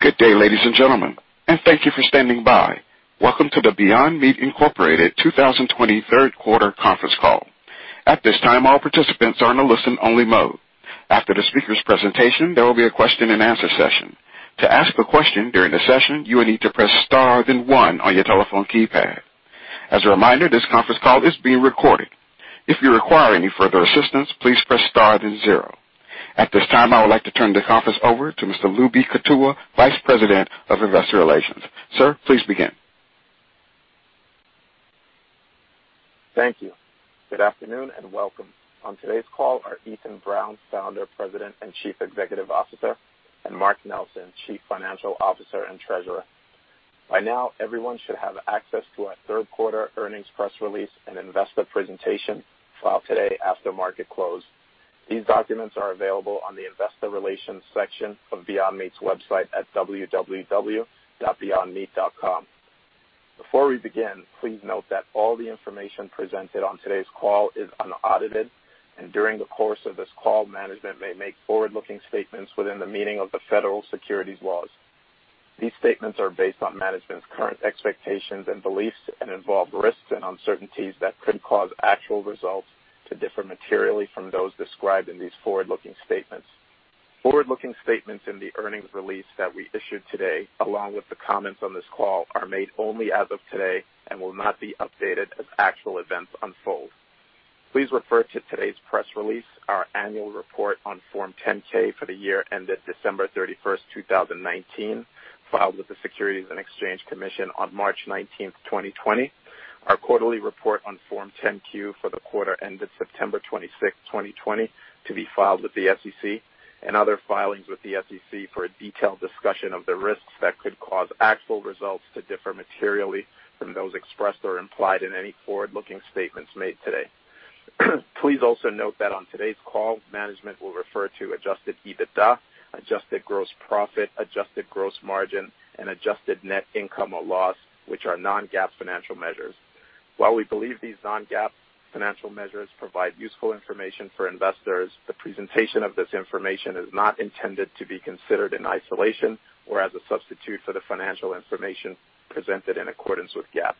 Good day, ladies and gentlemen, and thank you for standing by. Welcome to the Beyond Meat, Inc. 2020 third quarter conference call. At this time, all participants are in a listen-only mode. After the speakers' presentation, there will be a question-and-answer session. To ask a question during the session you need to press star then one on your telephone keypad. As a reminder this conference call is being recorded. If you requiring further assistance, please press star then zero. At this time, I would like to turn the conference over to Mr. Lubi Kutua, Vice President of Investor Relations. Sir, please begin. Thank you. Good afternoon, and welcome. On today's call are Ethan Brown, Founder, President, and Chief Executive Officer, and Mark Nelson, Chief Financial Officer and Treasurer. By now, everyone should have access to our third quarter earnings press release and investor presentation filed today after market close. These documents are available on the investor relations section of Beyond Meat's website at www.beyondmeat.com. Before we begin, please note that all the information presented on today's call is unaudited, and during the course of this call, management may make forward-looking statements within the meaning of the federal securities laws. These statements are based on management's current expectations and beliefs and involve risks and uncertainties that could cause actual results to differ materially from those described in these forward-looking statements. Forward-looking statements in the earnings release that we issued today, along with the comments on this call, are made only as of today and will not be updated as actual events unfold. Please refer to today's press release, our annual report on Form 10-K for the year ended December 31st, 2019, filed with the Securities and Exchange Commission on March 19th, 2020, our quarterly report on Form 10-Q for the quarter ended September 26, 2020, to be filed with the SEC, and other filings with the SEC for a detailed discussion of the risks that could cause actual results to differ materially from those expressed or implied in any forward-looking statements made today. Please also note that on today's call, management will refer to adjusted EBITDA, adjusted gross profit, adjusted gross margin, and adjusted net income or loss, which are non-GAAP financial measures. While we believe these non-GAAP financial measures provide useful information for investors, the presentation of this information is not intended to be considered in isolation or as a substitute for the financial information presented in accordance with GAAP.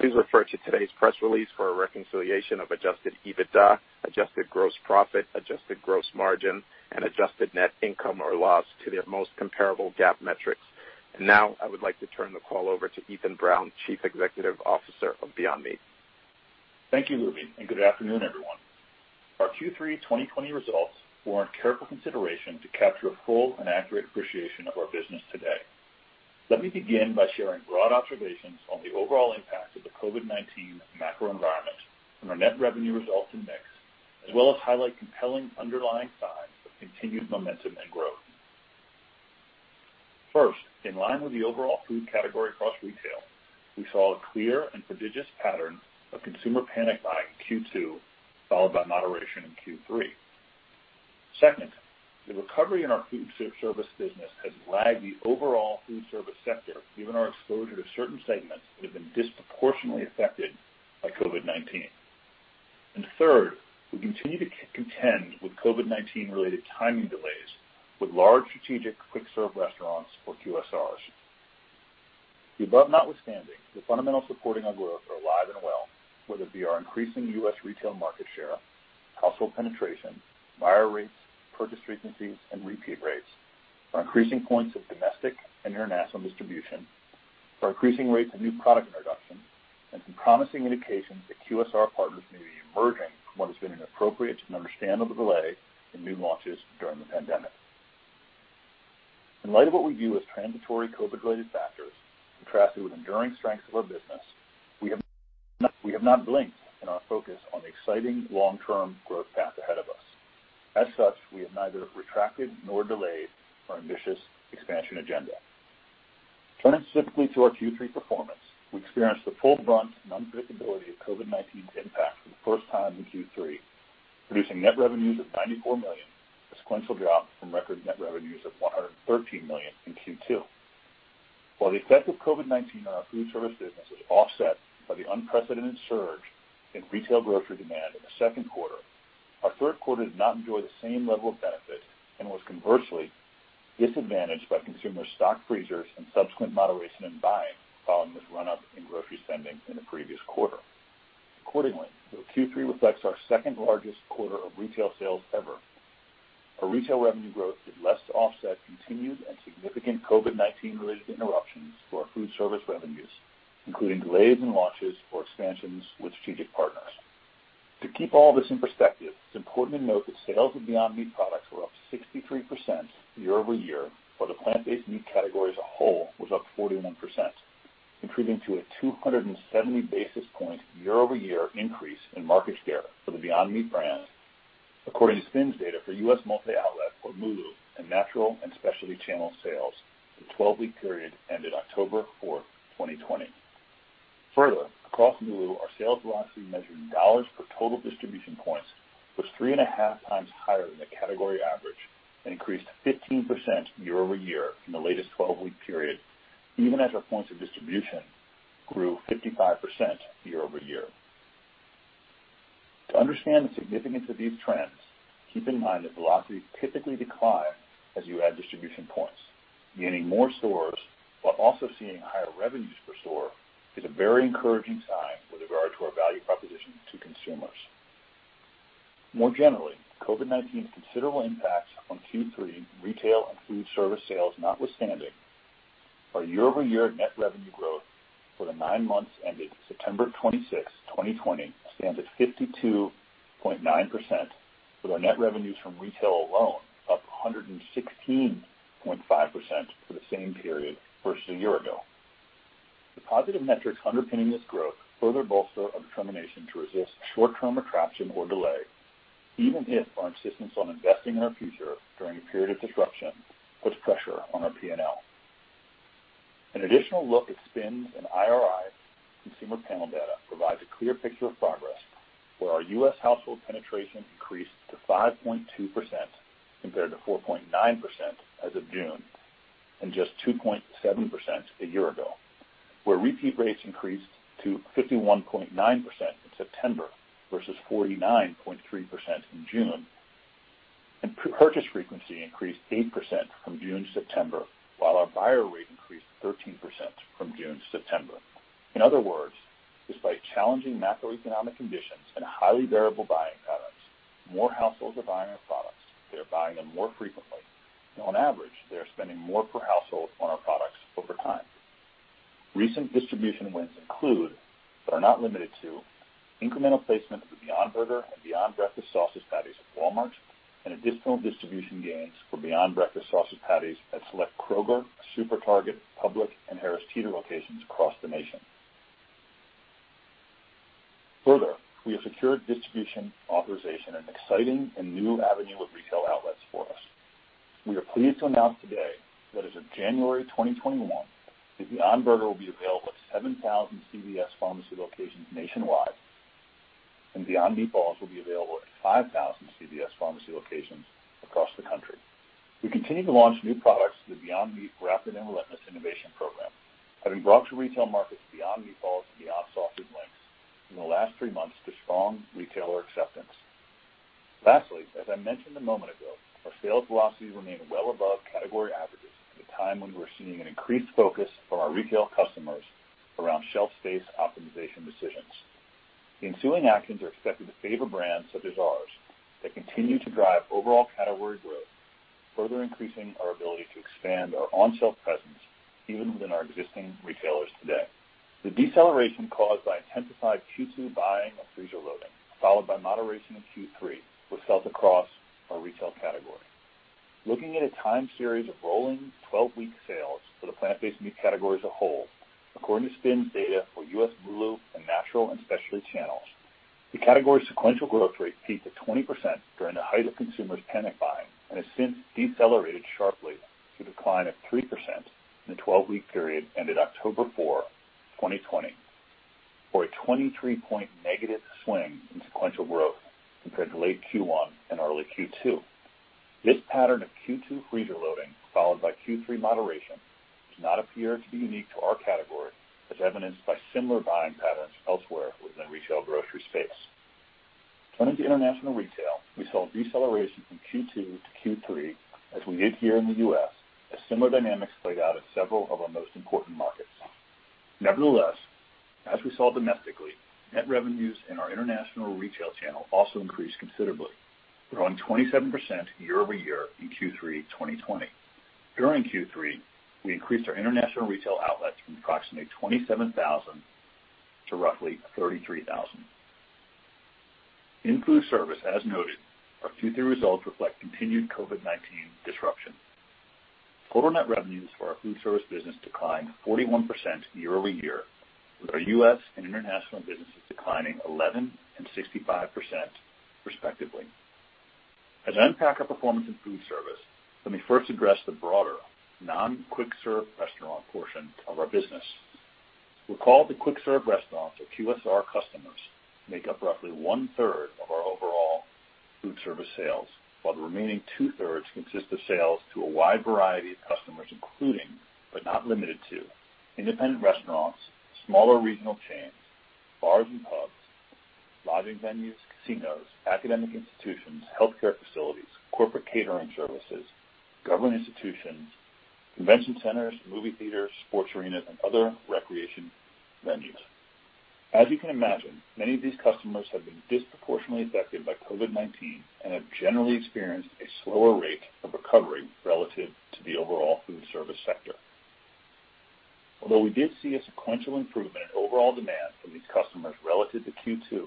Please refer to today's press release for a reconciliation of adjusted EBITDA, adjusted gross profit, adjusted gross margin, and adjusted net income or loss to their most comparable GAAP metrics. Now I would like to turn the call over to Ethan Brown, Chief Executive Officer of Beyond Meat. Thank you, Lubi, good afternoon, everyone. Our Q3 2020 results warrant careful consideration to capture a full and accurate appreciation of our business today. Let me begin by sharing broad observations on the overall impact of the COVID-19 macro environment on our net revenue results and mix, as well as highlight compelling underlying signs of continued momentum and growth. First, in line with the overall food category across retail, we saw a clear and prodigious pattern of consumer panic buying in Q2, followed by moderation in Q3. Second, the recovery in our food service business has lagged the overall food service sector, given our exposure to certain segments that have been disproportionately affected by COVID-19. Third, we continue to contend with COVID-19 related timing delays with large strategic quick serve restaurants or QSRs. The above notwithstanding, the fundamentals supporting our growth are alive and well, whether it be our increasing U.S. retail market share, household penetration, buyer rates, purchase frequencies, and repeat rates, our increasing points of domestic and international distribution, our increasing rates of new product introductions, and some promising indications that QSR partners may be emerging from what has been an appropriate and understandable delay in new launches during the pandemic. In light of what we view as transitory COVID-related factors, contrasted with enduring strengths of our business, we have not blinked in our focus on the exciting long-term growth path ahead of us. As such, we have neither retracted nor delayed our ambitious expansion agenda. Turning specifically to our Q3 performance, we experienced the full brunt and unpredictability of COVID-19's impact for the first time in Q3, producing net revenues of $94 million, a sequential drop from record net revenues of $113 million in Q2. While the effect of COVID-19 on our food service business was offset by the unprecedented surge in retail grocery demand in the second quarter, our third quarter did not enjoy the same level of benefit and was conversely disadvantaged by consumer stocked freezers and subsequent moderation in buying following this run-up in grocery spending in the previous quarter. Accordingly, though Q3 reflects our second-largest quarter of retail sales ever, our retail revenue growth did less to offset continued and significant COVID-19 related interruptions to our food service revenues, including delays in launches or expansions with strategic partners. To keep all this in perspective, it's important to note that sales of Beyond Meat products were up 63% year over year, while the plant-based meat category as a whole was up 41%, contributing to a 270 basis point year-over-year increase in market share for the Beyond Meat brand, according to SPINS data for U.S. multi-outlet, or MULO, and natural and specialty channel sales for the 12-week period ended October 4th, 2020. Further, across MULO, our sales velocity measured in dollars per total distribution points was 3.5x higher than the category average and increased 15% year over year in the latest 12-week period, even as our points of distribution grew 55% year over year. To understand the significance of these trends, keep in mind that velocities typically decline as you add distribution points. Gaining more stores while also seeing higher revenues per store is a very encouraging sign with regard to our value proposition to consumers. More generally, COVID-19's considerable impacts on Q3 retail and food service sales notwithstanding, our year-over-year net revenue growth for the nine months ended September 26, 2020, stands at 52.9% with our net revenues from retail alone up 116.5% for the same period versus a year ago. The positive metrics underpinning this growth further bolster our determination to resist short-term retraction or delay, even if our insistence on investing in our future during a period of disruption puts pressure on our P&L. An additional look at SPINS and IRI consumer panel data provides a clear picture of progress where our U.S. household penetration increased to 5.2%, compared to 4.9% as of June, and just 2.7% a year ago. Where repeat rates increased to 51.9% in September versus 49.3% in June, and purchase frequency increased 8% from June to September, while our buyer rate increased 13% from June to September. In other words, despite challenging macroeconomic conditions and highly variable buying patterns, more households are buying our products. They are buying them more frequently, and on average, they are spending more per household on our products over time. Recent distribution wins include, but are not limited to, incremental placement of the Beyond Burger and Beyond Breakfast Sausage Patties at Walmart, and additional distribution gains for Beyond Breakfast Sausage Patties at select Kroger, SuperTarget, Publix and Harris Teeter locations across the nation. Further, we have secured distribution authorization in an exciting and new avenue of retail outlets for us. We are pleased to announce today that as of January 2021, the Beyond Burger will be available at 7,000 CVS Pharmacy locations nationwide, and Beyond Meatballs will be available at 5,000 CVS Pharmacy locations across the country. We continue to launch new products through the Beyond Meat rapid and relentless innovation program, having brought to retail markets Beyond Meatballs and Beyond Sausage Links in the last three months to strong retailer acceptance. Lastly, as I mentioned a moment ago, our sales velocities remain well above category averages at a time when we're seeing an increased focus from our retail customers around shelf space optimization decisions. The ensuing actions are expected to favor brands such as ours that continue to drive overall category growth, further increasing our ability to expand our on-shelf presence even within our existing retailers today. The deceleration caused by intensified Q2 buying of freezer loading, followed by moderation in Q3, was felt across our retail category. Looking at a time series of rolling 12-week sales for the plant-based meat category as a whole, according to SPINS data for U.S. MULO and Natural and Specialty channels, the category sequential growth rate peaked at 20% during the height of consumers panic buying and has since decelerated sharply to decline of 3% in the 12-week period ended October 4, 2020, or a 23-point negative swing in sequential growth compared to late Q1 and early Q2. This pattern of Q2 freezer loading, followed by Q3 moderation, does not appear to be unique to our category, as evidenced by similar buying patterns elsewhere within retail grocery space. Turning to international retail, we saw a deceleration from Q2 to Q3 as we did here in the U.S., as similar dynamics played out at several of our most important markets. Nevertheless, as we saw domestically, net revenues in our international retail channel also increased considerably, growing 27% year-over-year in Q3 2020. During Q3, we increased our international retail outlets from approximately 27,000 to roughly 33,000. In food service, as noted, our Q3 results reflect continued COVID-19 disruption. Total net revenues for our food service business declined 41% year-over-year, with our U.S. and international businesses declining 11% and 65%, respectively. As I unpack our performance in food service, let me first address the broader non-quick serve restaurant portion of our business. Recall the quick serve restaurants, or QSR customers, make up roughly one-third of our overall food service sales, while the remaining 2/3 consist of sales to a wide variety of customers, including, but not limited to, independent restaurants, smaller regional chains, bars and pubs, lodging venues, casinos, academic institutions, healthcare facilities, corporate catering services, government institutions, convention centers, movie theaters, sports arenas, and other recreation venues. As you can imagine, many of these customers have been disproportionately affected by COVID-19 and have generally experienced a slower rate of recovery relative to the overall food service sector. Although we did see a sequential improvement in overall demand from these customers relative to Q2,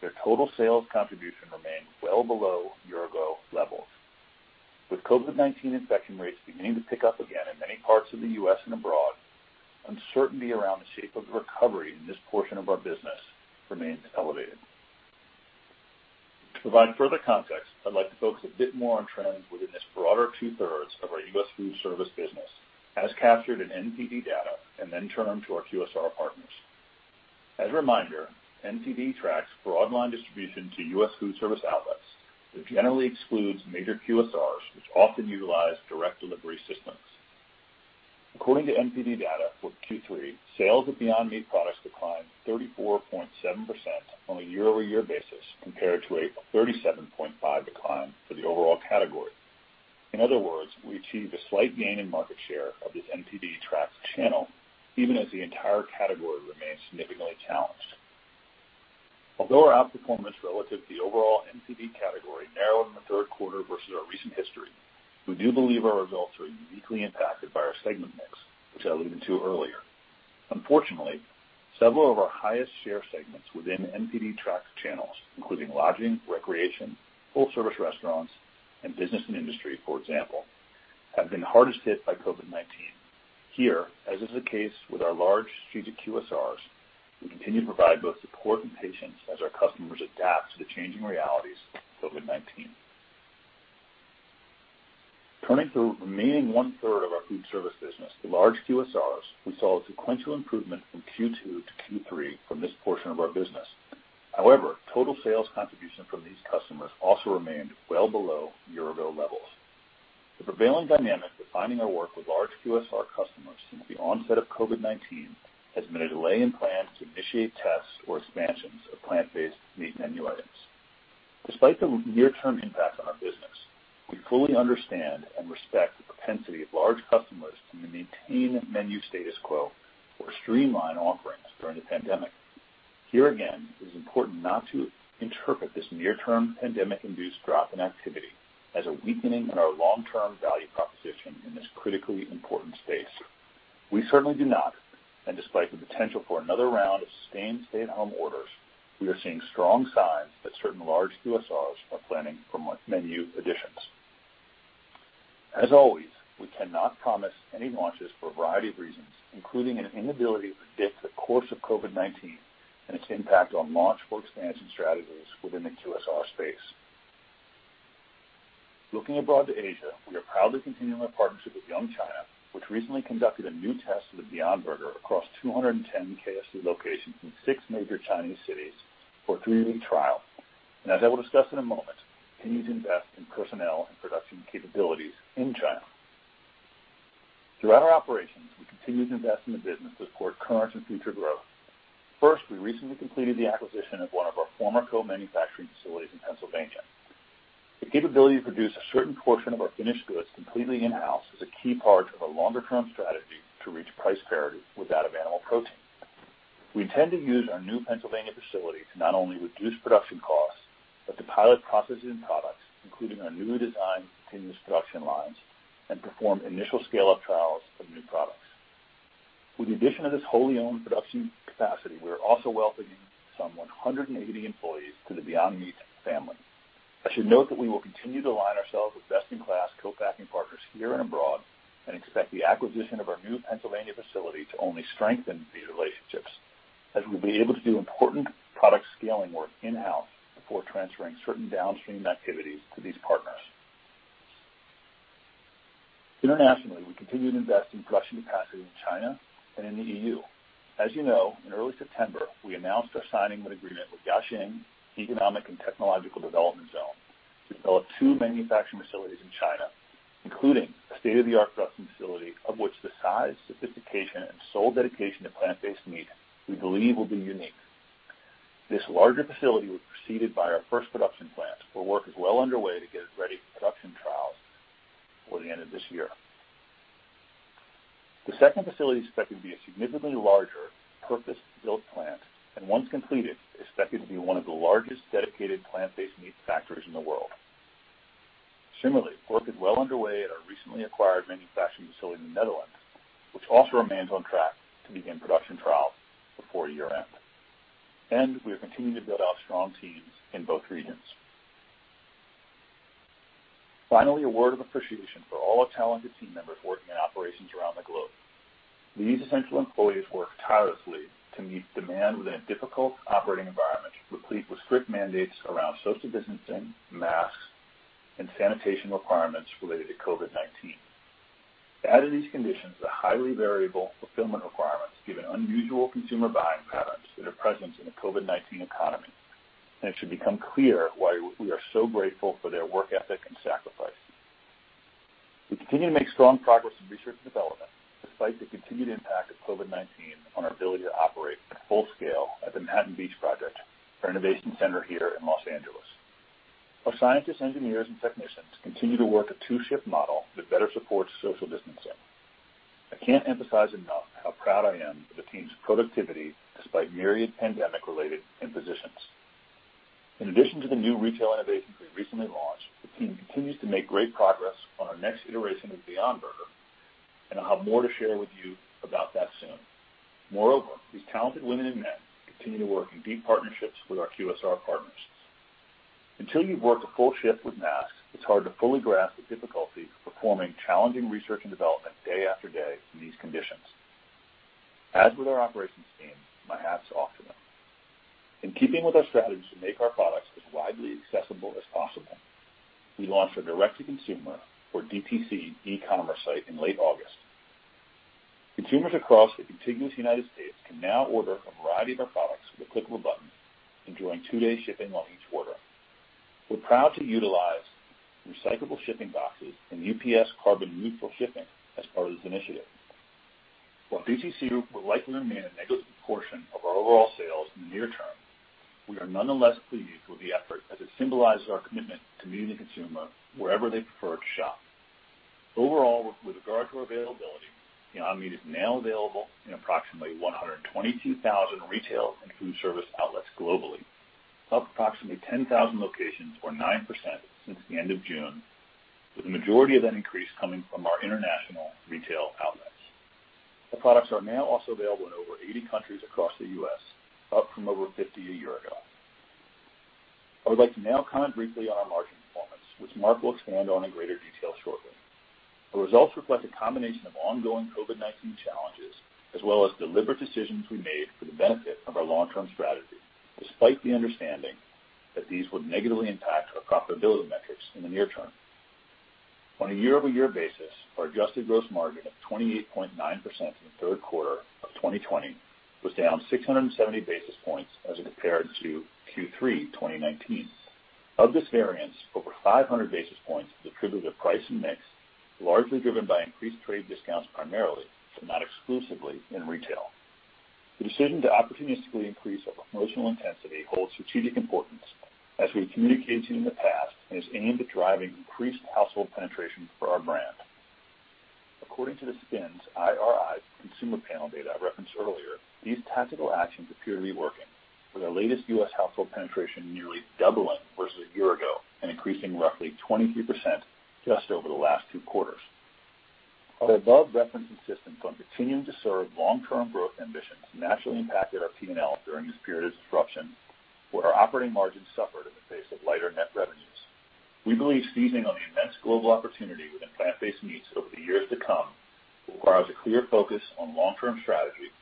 their total sales contribution remained well below year-ago levels. With COVID-19 infection rates beginning to pick up again in many parts of the U.S. and abroad, uncertainty around the shape of the recovery in this portion of our business remains elevated. To provide further context, I'd like to focus a bit more on trends within this broader 2/3 of our U.S. food service business as captured in NPD data, and then turn to our QSR partners. As a reminder, NPD tracks broadline distribution to U.S. food service outlets, but generally excludes major QSRs, which often utilize direct delivery systems. According to NPD data for Q3, sales of Beyond Meat products declined 34.7% on a year-over-year basis compared to a 37.5% decline for the overall category. In other words, we achieved a slight gain in market share of this NPD tracked channel, even as the entire category remains significantly challenged. Although our outperformance relative to the overall NPD category narrowed in the third quarter versus our recent history, we do believe our results are uniquely impacted by our segment mix, which I alluded to earlier. Unfortunately, several of our highest share segments within NPD tracked channels, including lodging, recreation, full-service restaurants, and business and industry, for example, have been hardest hit by COVID-19. Here, as is the case with our large strategic QSRs, we continue to provide both support and patience as our customers adapt to the changing realities of COVID-19. Turning to the remaining 1/3 of our food service business, the large QSRs, we saw a sequential improvement from Q2 to Q3 from this portion of our business. However, total sales contribution from these customers also remained well below year-over-year levels. The prevailing dynamic defining our work with large QSR customers since the onset of COVID-19 has been a delay in plans to initiate tests or expansions of plant-based meat menu items. Despite the near-term impact on our business, we fully understand and respect the propensity of large customers to maintain menu status quo or streamline offerings during the pandemic. Here again, it is important not to interpret this near-term pandemic-induced drop in activity as a weakening in our long-term value proposition in this critically important space. We certainly do not, and despite the potential for another round of sustained stay-at-home orders, we are seeing strong signs that certain large QSRs are planning for menu additions. As always, we cannot promise any launches for a variety of reasons, including an inability to predict the course of COVID-19 and its impact on launch or expansion strategies within the QSR space. Looking abroad to Asia, we are proudly continuing our partnership with Yum China, which recently conducted a new test of the Beyond Burger across 210 KFC locations in six major Chinese cities for a three-week trial. As I will discuss in a moment, continue to invest in personnel and production capabilities in China. Throughout our operations, we continue to invest in the business to support current and future growth. First, we recently completed the acquisition of one of our former co-manufacturing facilities in Pennsylvania. The capability to produce a certain portion of our finished goods completely in-house is a key part of our longer-term strategy to reach price parity with that of animal protein. We intend to use our new Pennsylvania facility to not only reduce production costs, but to pilot processes and products, including our newly designed continuous production lines, and perform initial scale-up trials of new products. With the addition of this wholly owned production capacity, we are also welcoming some 180 employees to the Beyond Meat family. I should note that we will continue to align ourselves with best-in-class co-packing partners here and abroad, and expect the acquisition of our new Pennsylvania facility to only strengthen these relationships, as we'll be able to do important product scaling work in-house before transferring certain downstream activities to these partners. Internationally, we continue to invest in extrusion capacity in China and in the EU. As you know, in early September, we announced our signing of an agreement with Jiaxing Economic and Technological Development Zone to develop two manufacturing facilities in China, including a state-of-the-art [extrusion] facility, of which the size, sophistication, and sole dedication to plant-based meat we believe will be unique. This larger facility was preceded by our first production plant, where work is well underway to get it ready for production trials before the end of this year. The second facility is expected to be a significantly larger purpose-built plant, and once completed, is expected to be one of the largest dedicated plant-based meat factories in the world. Similarly, work is well underway at our recently acquired manufacturing facility in the Netherlands, which also remains on track to begin production trials before year-end. We are continuing to build out strong teams in both regions. Finally, a word of appreciation for all our talented team members working in operations around the globe. These essential employees work tirelessly to meet demand within a difficult operating environment, replete with strict mandates around social distancing, masks, and sanitation requirements related to COVID-19. To add to these conditions, the highly variable fulfillment requirements given unusual consumer buying patterns that are present in a COVID-19 economy, and it should become clear why we are so grateful for their work ethic and sacrifice. We continue to make strong progress in research and development, despite the continued impact of COVID-19 on our ability to operate at full scale at the Manhattan Beach Project, our innovation center here in Los Angeles. Our scientists, engineers, and technicians continue to work a two-shift model that better supports social distancing. I can't emphasize enough how proud I am of the team's productivity despite myriad pandemic-related impositions. In addition to the new retail innovations we recently launched, the team continues to make great progress on our next iteration of Beyond Burger, and I'll have more to share with you about that soon. Moreover, these talented women and men continue to work in deep partnerships with our QSR partners. Until you've worked a full shift with masks, it's hard to fully grasp the difficulty of performing challenging research and development day after day in these conditions. As with our operations teams, my hat's off to them. In keeping with our strategy to make our products as widely accessible as possible, we launched our direct-to-consumer or DTC e-commerce site in late August. Consumers across the contiguous United States can now order a variety of our products with the click of a button, enjoying two-day shipping on each order. We're proud to utilize recyclable shipping boxes and UPS carbon neutral shipping as part of this initiative. While DTC will likely remain a negligible portion of our overall sales in the near term, we are nonetheless pleased with the effort as it symbolizes our commitment to meeting the consumer wherever they prefer to shop. Overall, with regard to our availability, Beyond Meat is now available in approximately 122,000 retail and food service outlets globally, up approximately 10,000 locations or 9% since the end of June, with the majority of that increase coming from our international retail outlets. Our products are now also available in over 80 countries across the U.S., up from over 50 a year ago. I would like to now comment briefly on our margin performance, which Mark will expand on in greater detail shortly. The results reflect a combination of ongoing COVID-19 challenges, as well as deliberate decisions we made for the benefit of our long-term strategy, despite the understanding that these would negatively impact our profitability metrics in the near term. On a year-over-year basis, our adjusted gross margin of 28.9% in the third quarter of 2020 was down 670 basis points as compared to Q3 2019. Of this variance, over 500 basis points is attributable to price and mix, largely driven by increased trade discounts primarily, but not exclusively, in retail. The decision to opportunistically increase our promotional intensity holds strategic importance, as we've communicated in the past, and is aimed at driving increased household penetration for our brand. According to the SPINS IRI consumer panel data I referenced earlier, these tactical actions appear to be working, with our latest U.S. household penetration nearly doubling versus a year ago and increasing roughly 23% just over the last two quarters. While the above-referenced insistence on continuing to serve long-term growth ambitions naturally impacted our P&L during this period of disruption, where our operating margins suffered in the face of lighter net revenues, we believe seizing on the immense global opportunity within plant-based meats over the years to come will require us a clear focus on long-term strategy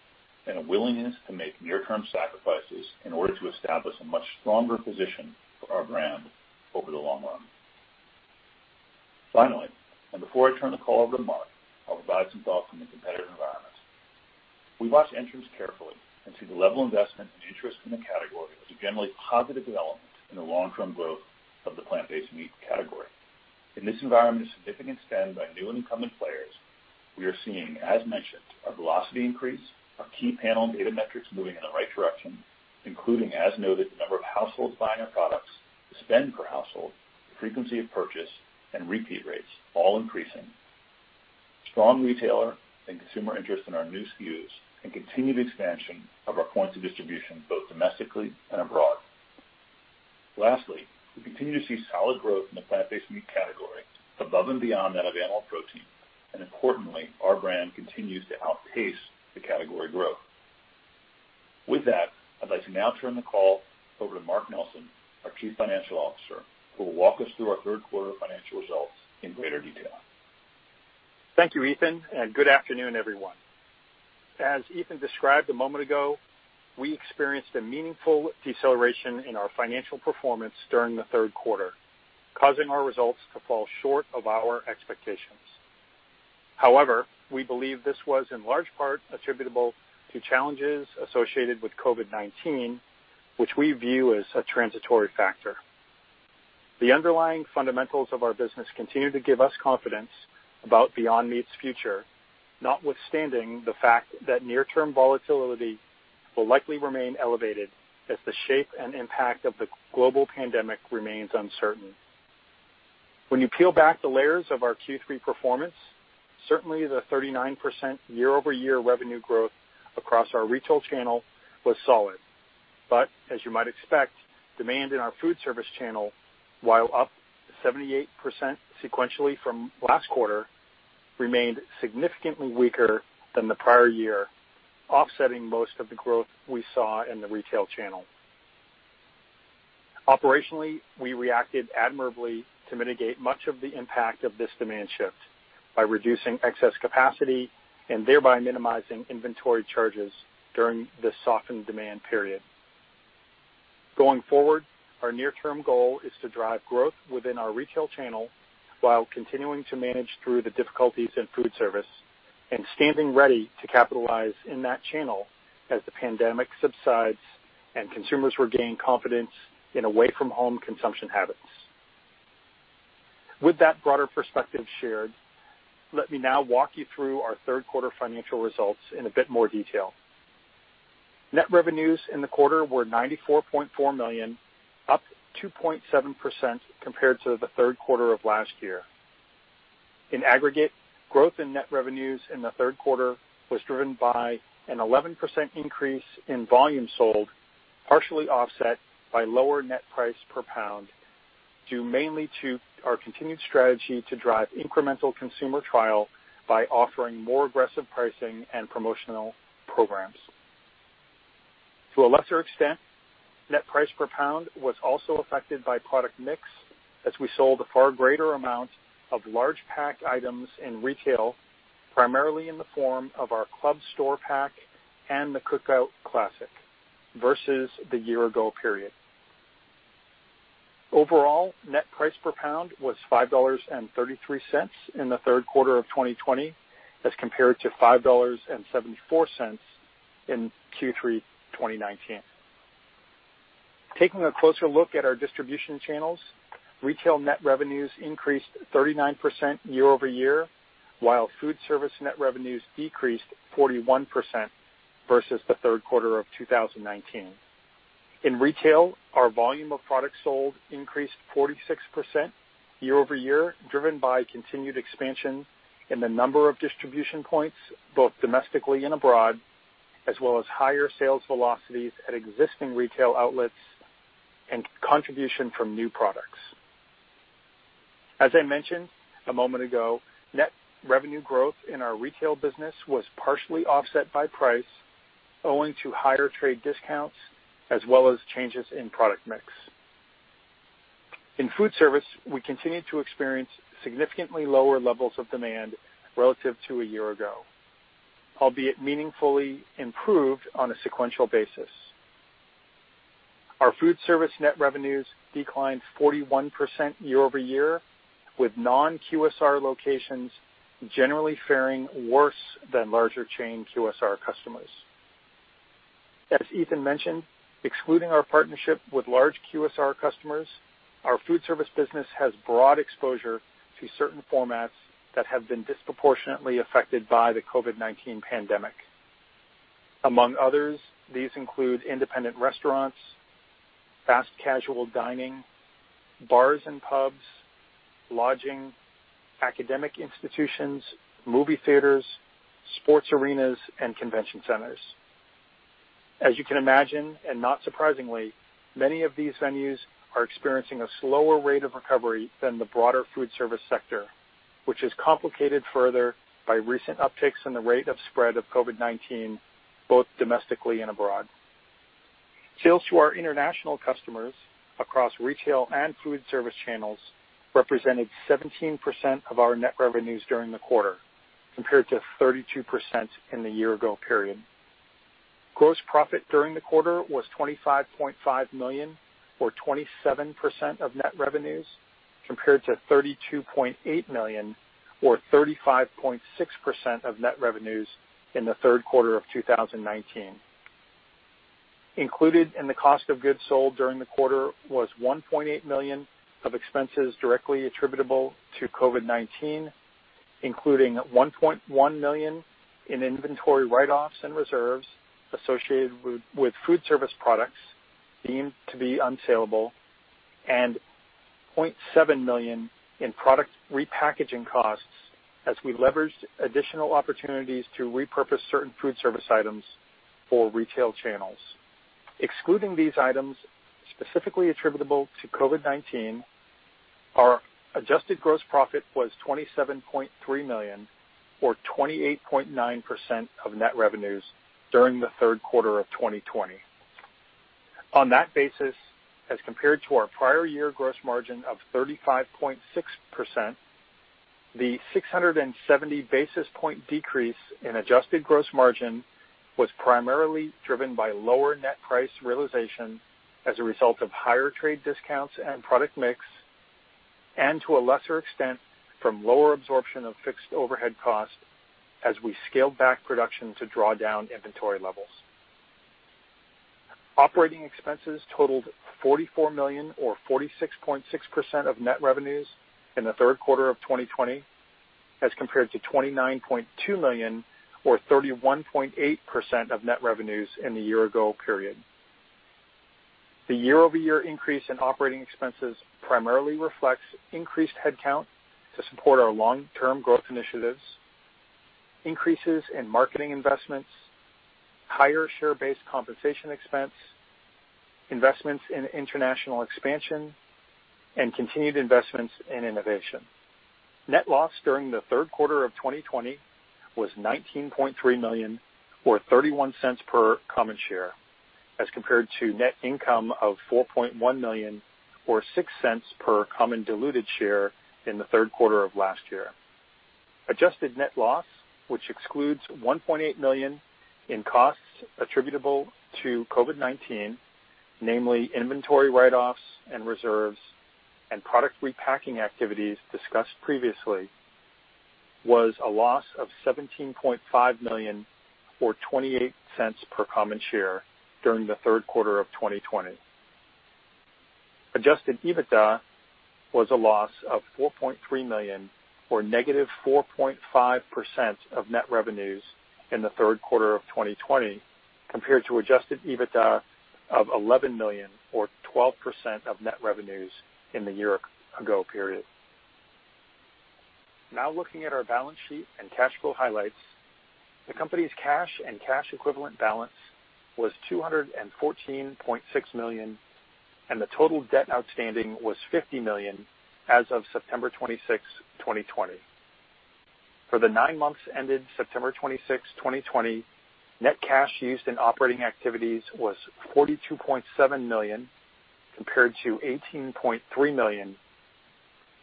and a willingness to make near-term sacrifices in order to establish a much stronger position for our brand over the long run. Finally, before I turn the call over to Mark, I'll provide some thoughts on the competitive environment. We watch entrants carefully and see the level of investment and interest in the category as a generally positive development in the long-term growth of the plant-based meat category. In this environment of significant spend by new and incumbent players, we are seeing, as mentioned, our velocity increase, our key panel and data metrics moving in the right direction, including, as noted, the number of households buying our products, the spend per household, the frequency of purchase, and repeat rates all increasing. Strong retailer and consumer interest in our new SKUs, and continued expansion of our points of distribution both domestically and abroad. Lastly, we continue to see solid growth in the plant-based meat category above and beyond that of animal protein, and importantly, our brand continues to outpace the category growth. With that, I'd like to now turn the call over to Mark Nelson, our Chief Financial Officer, who will walk us through our third quarter financial results in greater detail. Thank you, Ethan, and good afternoon, everyone. As Ethan described a moment ago, we experienced a meaningful deceleration in our financial performance during the third quarter, causing our results to fall short of our expectations. We believe this was, in large part, attributable to challenges associated with COVID-19, which we view as a transitory factor. The underlying fundamentals of our business continue to give us confidence about Beyond Meat's future, notwithstanding the fact that near-term volatility will likely remain elevated as the shape and impact of the global pandemic remains uncertain. When you peel back the layers of our Q3 performance, certainly the 39% year-over-year revenue growth across our retail channel was solid. As you might expect, demand in our food service channel, while up 78% sequentially from last quarter, remained significantly weaker than the prior year, offsetting most of the growth we saw in the retail channel. Operationally, we reacted admirably to mitigate much of the impact of this demand shift by reducing excess capacity and thereby minimizing inventory charges during this softened demand period. Going forward, our near-term goal is to drive growth within our retail channel while continuing to manage through the difficulties in foodservice and standing ready to capitalize in that channel as the pandemic subsides and consumers regain confidence in away-from-home consumption habits. With that broader perspective shared, let me now walk you through our third quarter financial results in a bit more detail. Net revenues in the quarter were $94.4 million, up 2.7% compared to the third quarter of last year. In aggregate, growth in net revenues in the third quarter was driven by an 11% increase in volume sold, partially offset by lower net price per pound, due mainly to our continued strategy to drive incremental consumer trial by offering more aggressive pricing and promotional programs. To a lesser extent, net price per pound was also affected by product mix, as we sold a far greater amount of large pack items in retail, primarily in the form of our club store pack and the Cookout Classic, versus the year-ago period. Overall, net price per pound was $5.33 in the third quarter of 2020 as compared to $5.74 in Q3 2019. Taking a closer look at our distribution channels, retail net revenues increased 39% year-over-year, while food service net revenues decreased 41% versus the third quarter of 2019. In retail, our volume of products sold increased 46% year-over-year, driven by continued expansion in the number of distribution points, both domestically and abroad, as well as higher sales velocities at existing retail outlets and contribution from new products. As I mentioned a moment ago, net revenue growth in our retail business was partially offset by price owing to higher trade discounts, as well as changes in product mix. In food service, we continue to experience significantly lower levels of demand relative to a year ago, albeit meaningfully improved on a sequential basis. Our food service net revenues declined 41% year-over-year, with non-QSR locations generally faring worse than larger chain QSR customers. As Ethan mentioned, excluding our partnership with large QSR customers, our food service business has broad exposure to certain formats that have been disproportionately affected by the COVID-19 pandemic. Among others, these include independent restaurants, fast casual dining, bars and pubs, lodging, academic institutions, movie theaters, sports arenas, and convention centers. As you can imagine, not surprisingly, many of these venues are experiencing a slower rate of recovery than the broader food service sector, which is complicated further by recent upticks in the rate of spread of COVID-19, both domestically and abroad. Sales to our international customers across retail and food service channels represented 17% of our net revenues during the quarter, compared to 32% in the year-ago period. Gross profit during the quarter was $25.5 million, or 27% of net revenues, compared to $32.8 million or 35.6% of net revenues in the third quarter of 2019. Included in the cost of goods sold during the quarter was $1.8 million of expenses directly attributable to COVID-19, including $1.1 million in inventory write-offs and reserves associated with food service products deemed to be unsaleable, and $0.7 million in product repackaging costs as we leveraged additional opportunities to repurpose certain food service items for retail channels. Excluding these items specifically attributable to COVID-19, our adjusted gross profit was $27.3 million or 28.9% of net revenues during the third quarter of 2020. On that basis, as compared to our prior year gross margin of 35.6%, the 670 basis point decrease in adjusted gross margin was primarily driven by lower net price realization as a result of higher trade discounts and product mix, and to a lesser extent, from lower absorption of fixed overhead costs as we scaled back production to draw down inventory levels. Operating expenses totaled $44 million or 46.6% of net revenues in the third quarter of 2020 as compared to $29.2 million or 31.8% of net revenues in the year-ago period. The year-over-year increase in operating expenses primarily reflects increased headcount to support our long-term growth initiatives, increases in marketing investments, higher share-based compensation expense, investments in international expansion, and continued investments in innovation. Net loss during the third quarter of 2020 was $19.3 million or $0.31 per common share, as compared to net income of $4.1 million or $0.06 per common diluted share in the third quarter of last year. Adjusted net loss, which excludes $1.8 million in costs attributable to COVID-19, namely inventory write-offs and reserves and product repacking activities discussed previously, was a loss of $17.5 million or $0.28 per common share during the third quarter of 2020. Adjusted EBITDA was a loss of $4.3 million or -4.5% of net revenues in the third quarter of 2020, compared to adjusted EBITDA of $11 million or 12% of net revenues in the year ago period. Looking at our balance sheet and cash flow highlights. The company's cash and cash equivalent balance was $214.6 million, and the total debt outstanding was $50 million as of September 26, 2020. For the nine months ended September 26, 2020, net cash used in operating activities was $42.7 million, compared to $18.3 million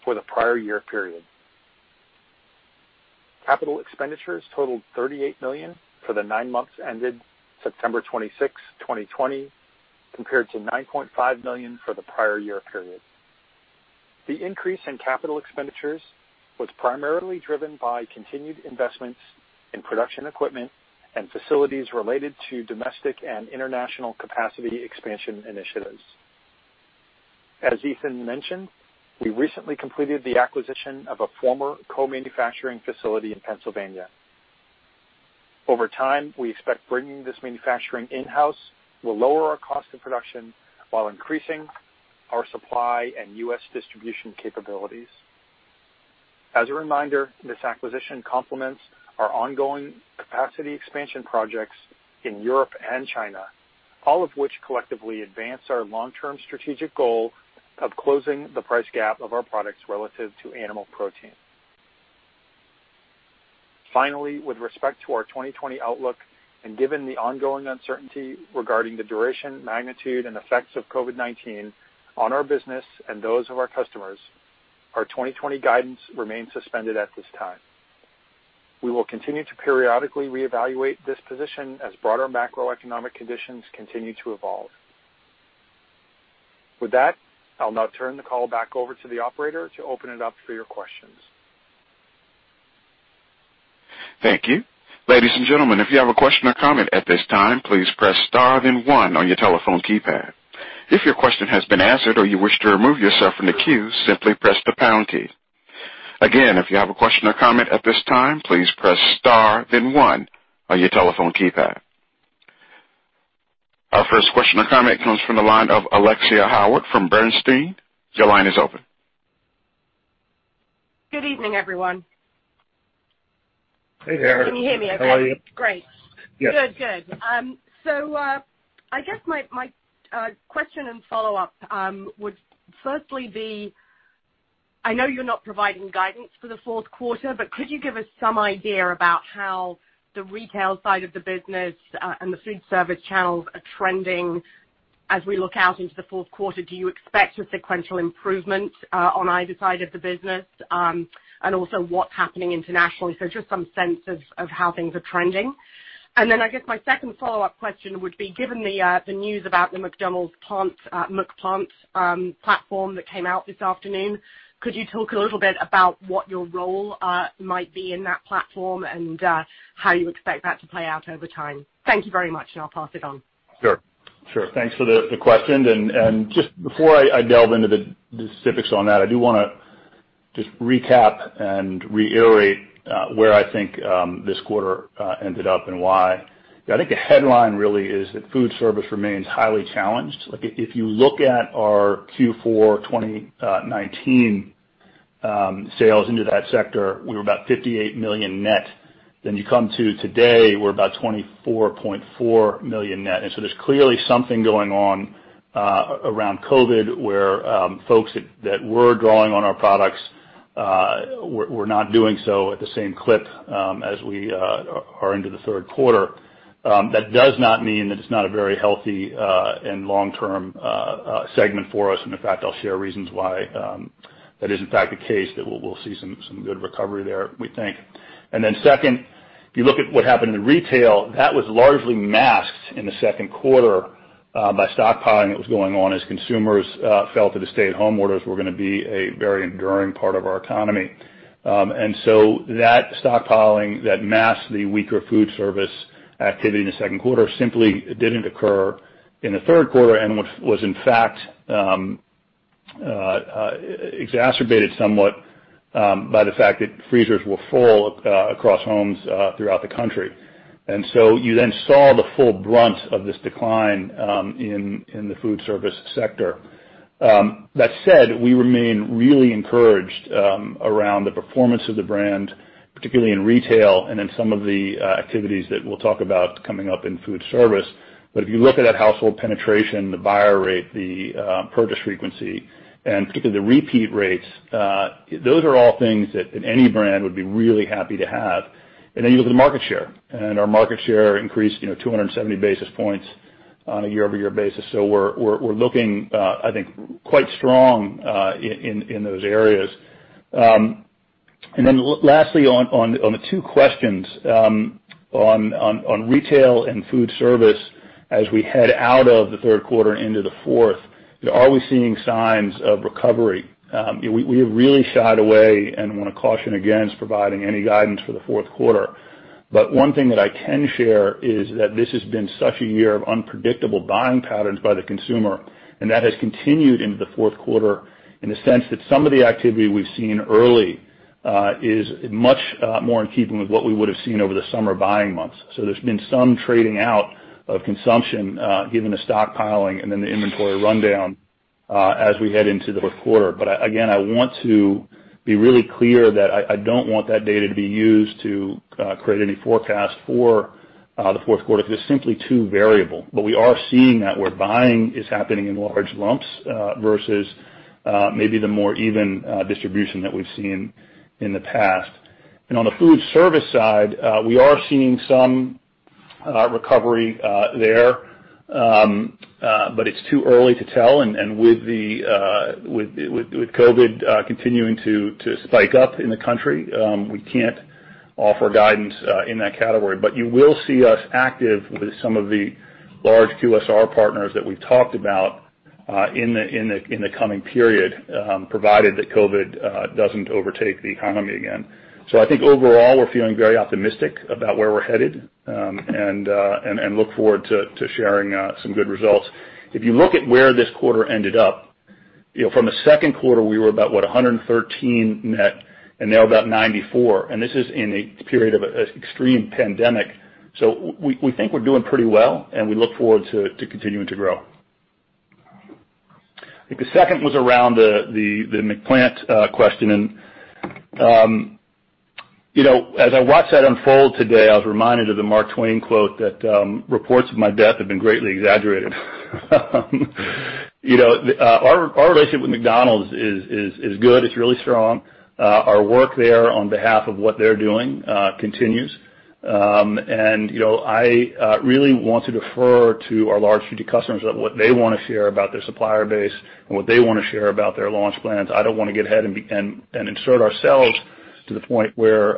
for the prior year period. Capital expenditures totaled $38 million for the nine months ended September 26, 2020, compared to $9.5 million for the prior year period. The increase in capital expenditures was primarily driven by continued investments in production equipment and facilities related to domestic and international capacity expansion initiatives. As Ethan mentioned, we recently completed the acquisition of a former co-manufacturing facility in Pennsylvania. Over time, we expect bringing this manufacturing in-house will lower our cost of production while increasing our supply and U.S. distribution capabilities. As a reminder, this acquisition complements our ongoing capacity expansion projects in Europe and China, all of which collectively advance our long-term strategic goal of closing the price gap of our products relative to animal protein. Finally, with respect to our 2020 outlook and given the ongoing uncertainty regarding the duration, magnitude, and effects of COVID-19 on our business and those of our customers, our 2020 guidance remains suspended at this time. We will continue to periodically reevaluate this position as broader macroeconomic conditions continue to evolve. With that, I'll now turn the call back over to the operator to open it up for your questions. Thank you. Ladies and gentlemen, if you have a question or comment at this time, please press star then one on your telephone keypad. If your question has been answered or you wish to remove yourself from the queue, simply press the pound key. Again, if you have a question or comment at this time, please press star then one on your telephone keypad. Our first question or comment comes from the line of Alexia Howard from Bernstein. Your line is open. Good evening, everyone. Hey there. Can you hear me okay? How are you? Great. Yes. Good. I guess my question and follow-up would firstly be, I know you're not providing guidance for the fourth quarter, but could you give us some idea about how the retail side of the business and the food service channels are trending as we look out into the fourth quarter? Do you expect a sequential improvement on either side of the business? Also what's happening internationally? Just some sense of how things are trending. Then I guess my second follow-up question would be, given the news about the McDonald's McPlant platform that came out this afternoon, could you talk a little bit about what your role might be in that platform and how you expect that to play out over time? Thank you very much, and I'll pass it on. Sure. Thanks for the question. Just before I delve into the specifics on that, I do want to just recap and reiterate where I think this quarter ended up and why. I think the headline really is that food service remains highly challenged. If you look at our Q4 2019 sales into that sector, we were about $58 million net. You come to today, we're about $24.4 million net. There's clearly something going on around COVID-19 where folks that were drawing on our products were not doing so at the same clip as we are into the third quarter. That does not mean that it's not a very healthy and long-term segment for us. In fact, I'll share reasons why that is in fact the case, that we'll see some good recovery there, we think. Second, if you look at what happened in retail, that was largely masked in the second quarter by stockpiling that was going on as consumers felt that the stay-at-home orders were going to be a very enduring part of our economy. That stockpiling that masked the weaker food service activity in the second quarter simply didn't occur in the third quarter, and was in fact exacerbated somewhat by the fact that freezers were full across homes throughout the country. You then saw the full brunt of this decline in the food service sector. That said, we remain really encouraged around the performance of the brand, particularly in retail and in some of the activities that we'll talk about coming up in food service. If you look at that household penetration, the buyer rate, the purchase frequency, and particularly the repeat rates, those are all things that any brand would be really happy to have. You look at the market share, and our market share increased 270 basis points on a year-over-year basis. We're looking, I think, quite strong in those areas. Lastly, on the two questions on retail and food service as we head out of the third quarter into the fourth, are we seeing signs of recovery? We have really shied away and want to caution against providing any guidance for the fourth quarter. One thing that I can share is that this has been such a year of unpredictable buying patterns by the consumer, and that has continued into the fourth quarter in the sense that some of the activity we've seen early is much more in keeping with what we would have seen over the summer buying months. There's been some trading out of consumption given the stockpiling and then the inventory rundown as we head into the fourth quarter. Again, I want to be really clear that I don't want that data to be used to create any forecast for the fourth quarter because it's simply too variable. We are seeing that where buying is happening in large lumps versus maybe the more even distribution that we've seen in the past. On the food service side, we are seeing some recovery there. It's too early to tell, and with COVID continuing to spike up in the country, we can't offer guidance in that category. You will see us active with some of the large QSR partners that we talked about in the coming period, provided that COVID doesn't overtake the economy again. I think overall, we're feeling very optimistic about where we're headed, and look forward to sharing some good results. If you look at where this quarter ended up, from the second quarter, we were about, what, $113 million net, and now about $94 million. This is in a period of extreme pandemic. We think we're doing pretty well, and we look forward to continuing to grow. I think the second was around the McPlant question. As I watched that unfold today, I was reminded of the Mark Twain quote that, "Reports of my death have been greatly exaggerated." Our relationship with McDonald's is good. It's really strong. Our work there on behalf of what they're doing continues. I really want to defer to our large food customers of what they want to share about their supplier base and what they want to share about their launch plans. I don't want to get ahead and insert ourselves to the point where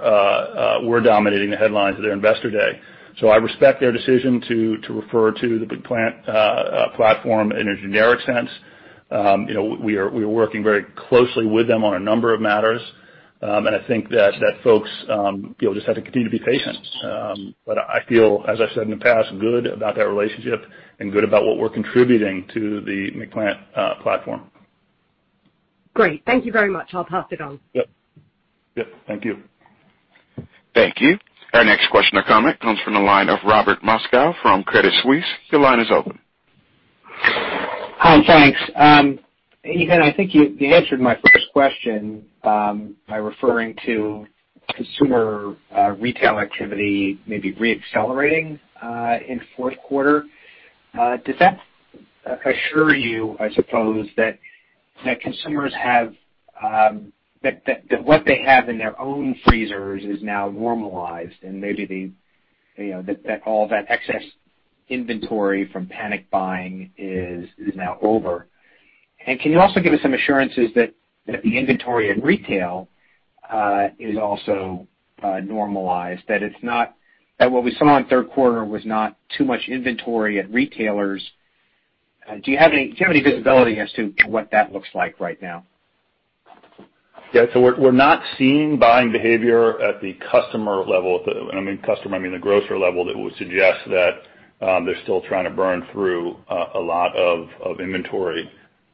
we're dominating the headlines of their Investor Day. I respect their decision to refer to the McPlant platform in a generic sense. We are working very closely with them on a number of matters. I think that folks just have to continue to be patient. I feel, as I've said in the past, good about that relationship and good about what we're contributing to the McPlant platform. Great. Thank you very much. I'll pass it on. Yep. Thank you. Thank you. Our next question or comment comes from the line of Robert Moskow from Credit Suisse. Your line is open. Hi, thanks. Ethan, I think you answered my first question by referring to consumer retail activity maybe re-accelerating in the fourth quarter. Does that assure you, I suppose, that what they have in their own freezers is now normalized, and maybe all that excess inventory from panic buying is now over? Can you also give us some assurances that the inventory at retail is also normalized, that what we saw in the third quarter was not too much inventory at retailers? Do you have any visibility as to what that looks like right now? Yeah. We're not seeing buying behavior at the customer level. I mean customer, I mean the grocer level that would suggest that they're still trying to burn through a lot of inventory.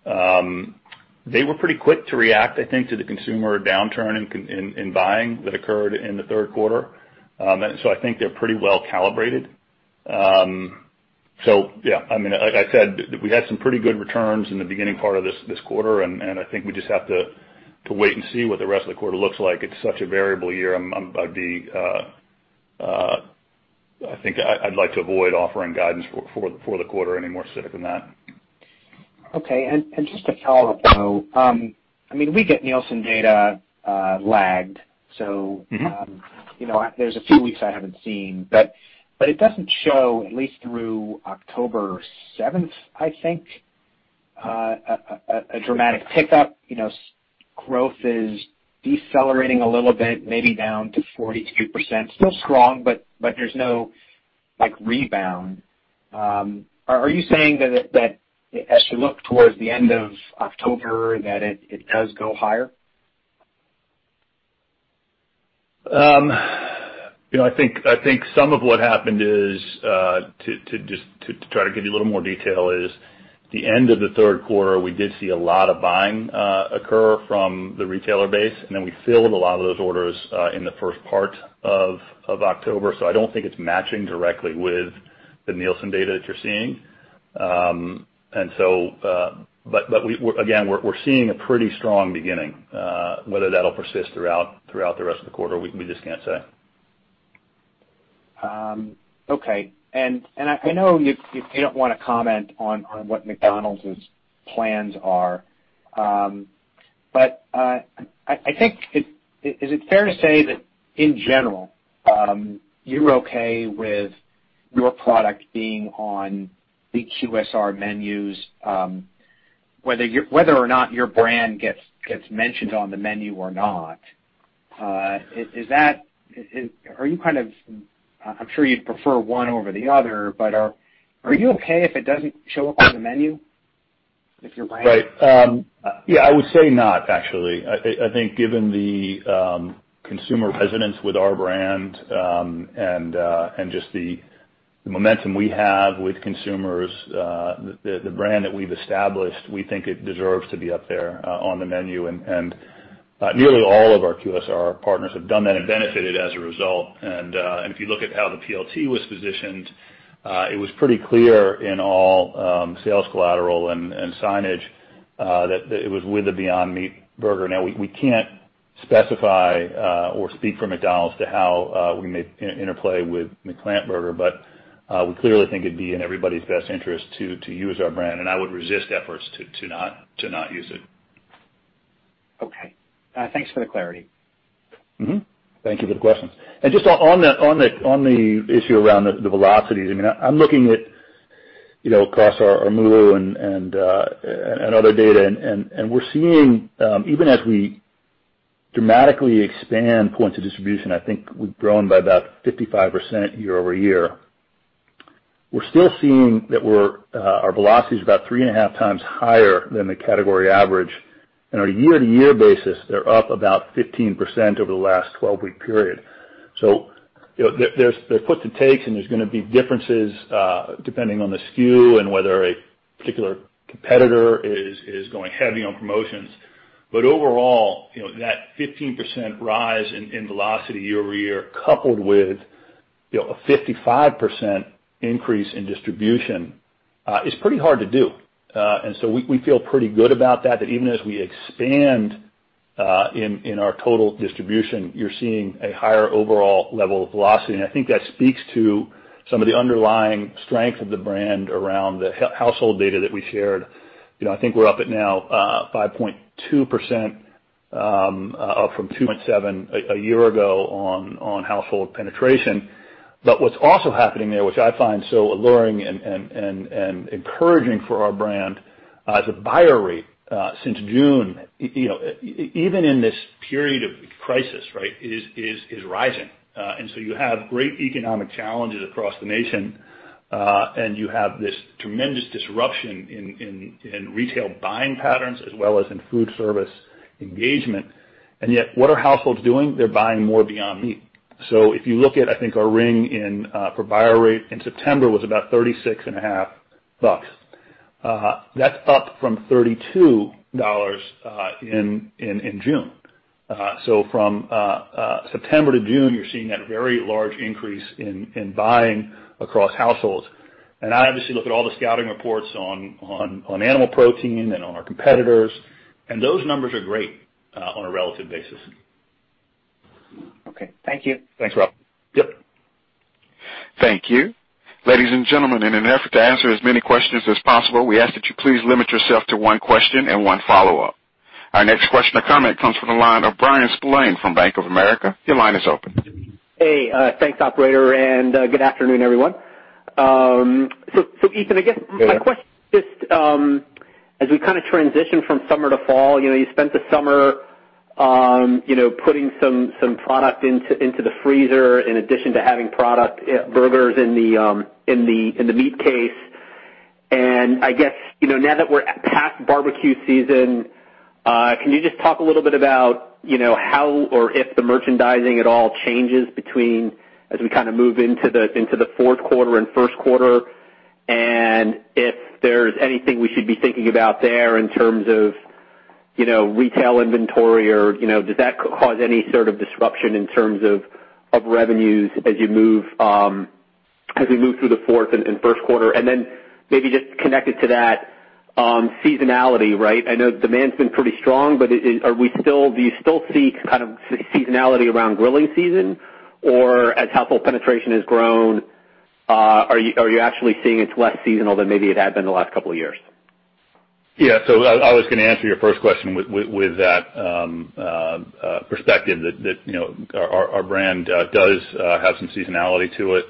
They were pretty quick to react, I think, to the consumer downturn in buying that occurred in the third quarter. I think they're pretty well calibrated. Yeah, like I said, we had some pretty good returns in the beginning part of this quarter, and I think we just have to wait and see what the rest of the quarter looks like. It's such a variable year. I think I'd like to avoid offering guidance for the quarter any more specific than that. Okay. Just to follow up though, we get Nielsen data lagged. There's a few weeks I haven't seen. It doesn't show at least through October 7th, I think, a dramatic pickup. Growth is decelerating a little bit, maybe down to 42%. Still strong, but there's no rebound. Are you saying that as you look towards the end of October, that it does go higher? I think some of what happened is, to try to give you a little more detail is, the end of the third quarter, we did see a lot of buying occur from the retailer base, and then we filled a lot of those orders in the first part of October. I don't think it's matching directly with the Nielsen data that you're seeing. Again, we're seeing a pretty strong beginning. Whether that'll persist throughout the rest of the quarter, we just can't say. Okay. I know you don't want to comment on what McDonald's plans are. I think, is it fair to say that in general, you're okay with your product being on the QSR menus, whether or not your brand gets mentioned on the menu or not? I'm sure you'd prefer one over the other, but are you okay if it doesn't show up on the menu, if your brand- Right. Yeah, I would say not, actually. I think given the consumer resonance with our brand, and just the momentum we have with consumers, the brand that we've established, we think it deserves to be up there on the menu. Nearly all of our QSR partners have done that and benefited as a result. If you look at how the P.L.T. was positioned, it was pretty clear in all sales collateral and signage that it was with the Beyond Meat burger. Now, we can't specify or speak for McDonald's to how we may interplay with the McPlant burger, but we clearly think it'd be in everybody's best interest to use our brand, and I would resist efforts to not use it. Okay. Thanks for the clarity. Thank you for the question. Just on the issue around the velocities, I'm looking at across our MULO and other data. We're seeing, even as we dramatically expand points of distribution, I think we've grown by about 55% year-over-year. We're still seeing that our velocity is about 3.5x higher than the category average. On a year-over-year basis, they're up about 15% over the last 12-week period. There's puts and takes, and there's going to be differences, depending on the SKU and whether a particular competitor is going heavy on promotions. Overall, that 15% rise in velocity year-over-year, coupled with a 55% increase in distribution, is pretty hard to do. We feel pretty good about that even as we expand in our total distribution, you're seeing a higher overall level of velocity. I think that speaks to some of the underlying strength of the brand around the household data that we shared. I think we're up at now 5.2%, up from 2.7% a year ago on household penetration. What's also happening there, which I find so alluring and encouraging for our brand, the buyer rate since June, even in this period of crisis, is rising. You have great economic challenges across the nation, and you have this tremendous disruption in retail buying patterns as well as in food service engagement. Yet, what are households doing? They're buying more Beyond Meat. If you look at, I think our ring in for buyer rate in September was about $36.50. That's up from $32 in June. From September to June, you're seeing that very large increase in buying across households. I obviously look at all the scouting reports on animal protein and on our competitors, and those numbers are great on a relative basis. Okay. Thank you. Thanks, Rob. Yep. Thank you. Ladies and gentlemen, in an effort to answer as many questions as possible, we ask that you please limit yourself to one question and one follow-up. Our next question or comment comes from the line of Bryan Spillane from Bank of America. Your line is open. Hey, thanks, operator, and good afternoon, everyone. Ethan. Hey. My question is just as we transition from summer to fall, you spent the summer putting some product into the freezer in addition to having burgers in the meat case. I guess, now that we're past barbecue season, can you just talk a little bit about how or if the merchandising at all changes between as we move into the fourth quarter and first quarter? If there's anything we should be thinking about there in terms of retail inventory or does that cause any sort of disruption in terms of revenues as we move through the fourth and first quarter? Then maybe just connected to that, seasonality. I know demand's been pretty strong, but do you still see kind of seasonality around grilling season? As household penetration has grown, are you actually seeing it's less seasonal than maybe it had been the last couple of years? Yeah. I was going to answer your first question with that perspective that our brand does have some seasonality to it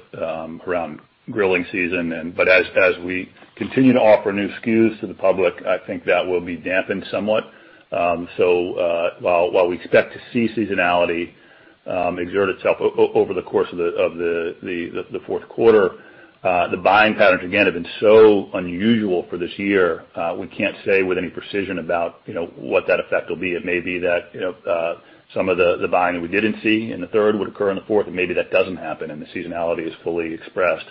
around grilling season. As we continue to offer new SKUs to the public, I think that will be dampened somewhat. While we expect to see seasonality exert itself over the course of the fourth quarter, the buying patterns, again, have been so unusual for this year, we can't say with any precision about what that effect will be. It may be that some of the buying that we didn't see in the third would occur in the fourth, and maybe that doesn't happen, and the seasonality is fully expressed.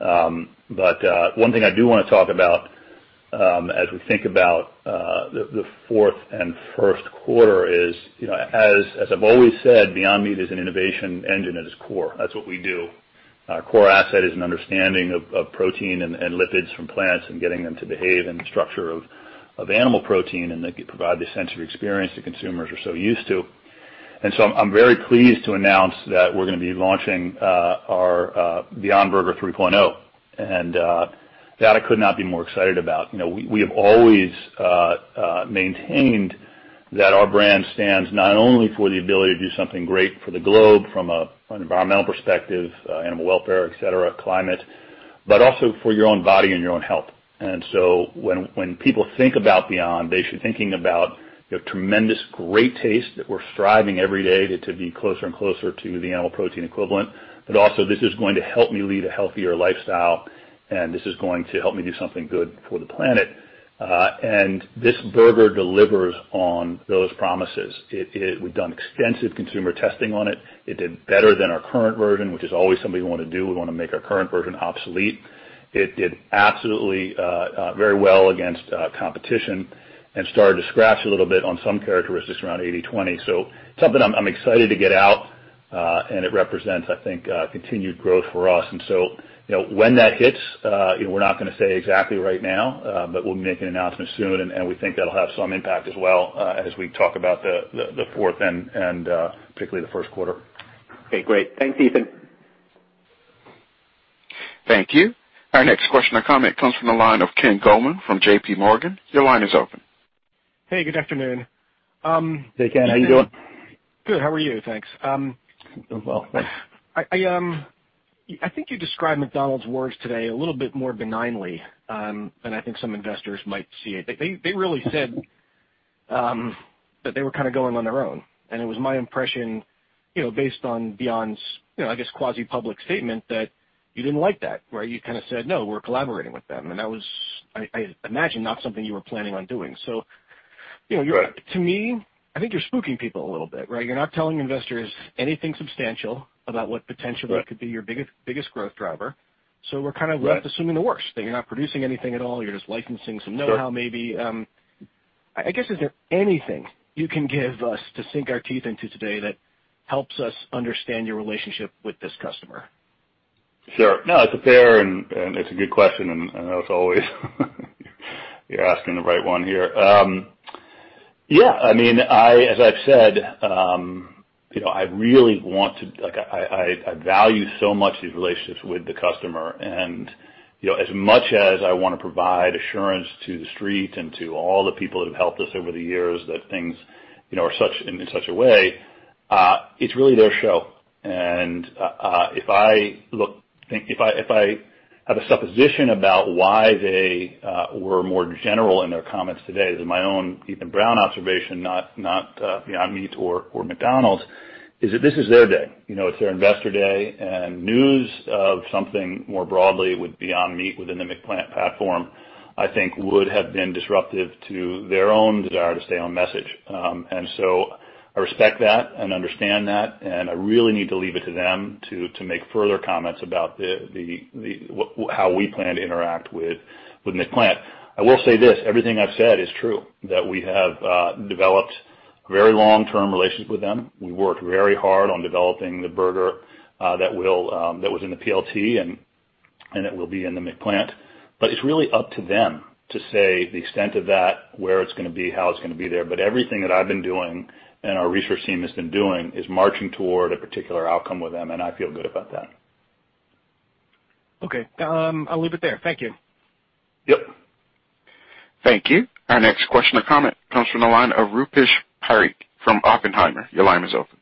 One thing I do want to talk about as we think about the fourth and first quarter is, as I've always said, Beyond Meat is an innovation engine at its core. That's what we do. Our core asset is an understanding of protein and lipids from plants and getting them to behave in the structure of animal protein and provide the sensory experience that consumers are so used to. I'm very pleased to announce that we're going to be launching our Beyond Burger 3.0, and that I could not be more excited about. We have always maintained that our brand stands not only for the ability to do something great for the globe from an environmental perspective, animal welfare, et cetera, climate, but also for your own body and your own health. When people think about Beyond, they should be thinking about tremendous great taste that we're striving every day to be closer and closer to the animal protein equivalent. Also, this is going to help me lead a healthier lifestyle, and this is going to help me do something good for the planet. This burger delivers on those promises. We've done extensive consumer testing on it. It did better than our current version, which is always something we want to do. We want to make our current version obsolete. It did absolutely very well against competition and started to scratch a little bit on some characteristics around 80/20. Something I'm excited to get out, and it represents, I think, continued growth for us. When that hits, we're not going to say exactly right now, but we'll make an announcement soon, and we think that'll have some impact as well as we talk about the fourth and particularly the first quarter. Okay, great. Thanks, Ethan. Thank you. Our next question or comment comes from the line of Ken Goldman from J.P. Morgan. Your line is open. Hey, good afternoon. Hey, Ken. How you doing? Good. How are you? Thanks. I'm well, thanks. I think you described McDonald's words today a little bit more benignly than I think some investors might see it. They really said that they were kind of going on their own, and it was my impression, based on Beyond's, I guess, quasi-public statement, that you didn't like that, where you kind of said, "No, we're collaborating with them." That was, I imagine, not something you were planning on doing. Right To me, I think you're spooking people a little bit, right? You're not telling investors anything substantial about what potentially could be your biggest growth driver. We're kind of left. Assuming the worst, that you're not producing anything at all, you're just licensing some know-how. Maybe, I guess, is there anything you can give us to sink your teeth into today that helps us understand your relationship with this customer? Sure. No, it's a fair and it's a good question. As always, you're asking the right one here. Yeah, as I've said, I value so much these relationships with the customer. As much as I want to provide assurance to The Street and to all the people that have helped us over the years that things are in such a way, it's really their show. If I have a supposition about why they were more general in their comments today, this is my own Ethan Brown observation, not Beyond Meat or McDonald's, is that this is their day. It's their investor day. News of something more broadly with Beyond Meat within the McPlant platform, I think would have been disruptive to their own desire to stay on message. I respect that and understand that, and I really need to leave it to them to make further comments about how we plan to interact with McPlant. I will say this, everything I've said is true, that we have developed very long-term relationships with them. We worked very hard on developing the burger that was in the P.L.T., and it will be in the McPlant. But it's really up to them to say the extent of that, where it's going to be, how it's going to be there. But everything that I've been doing and our research team has been doing is marching toward a particular outcome with them, and I feel good about that. Okay. I'll leave it there. Thank you. Yep. Thank you. Our next question or comment comes from the line of Rupesh Parikh from Oppenheimer. Your line is open.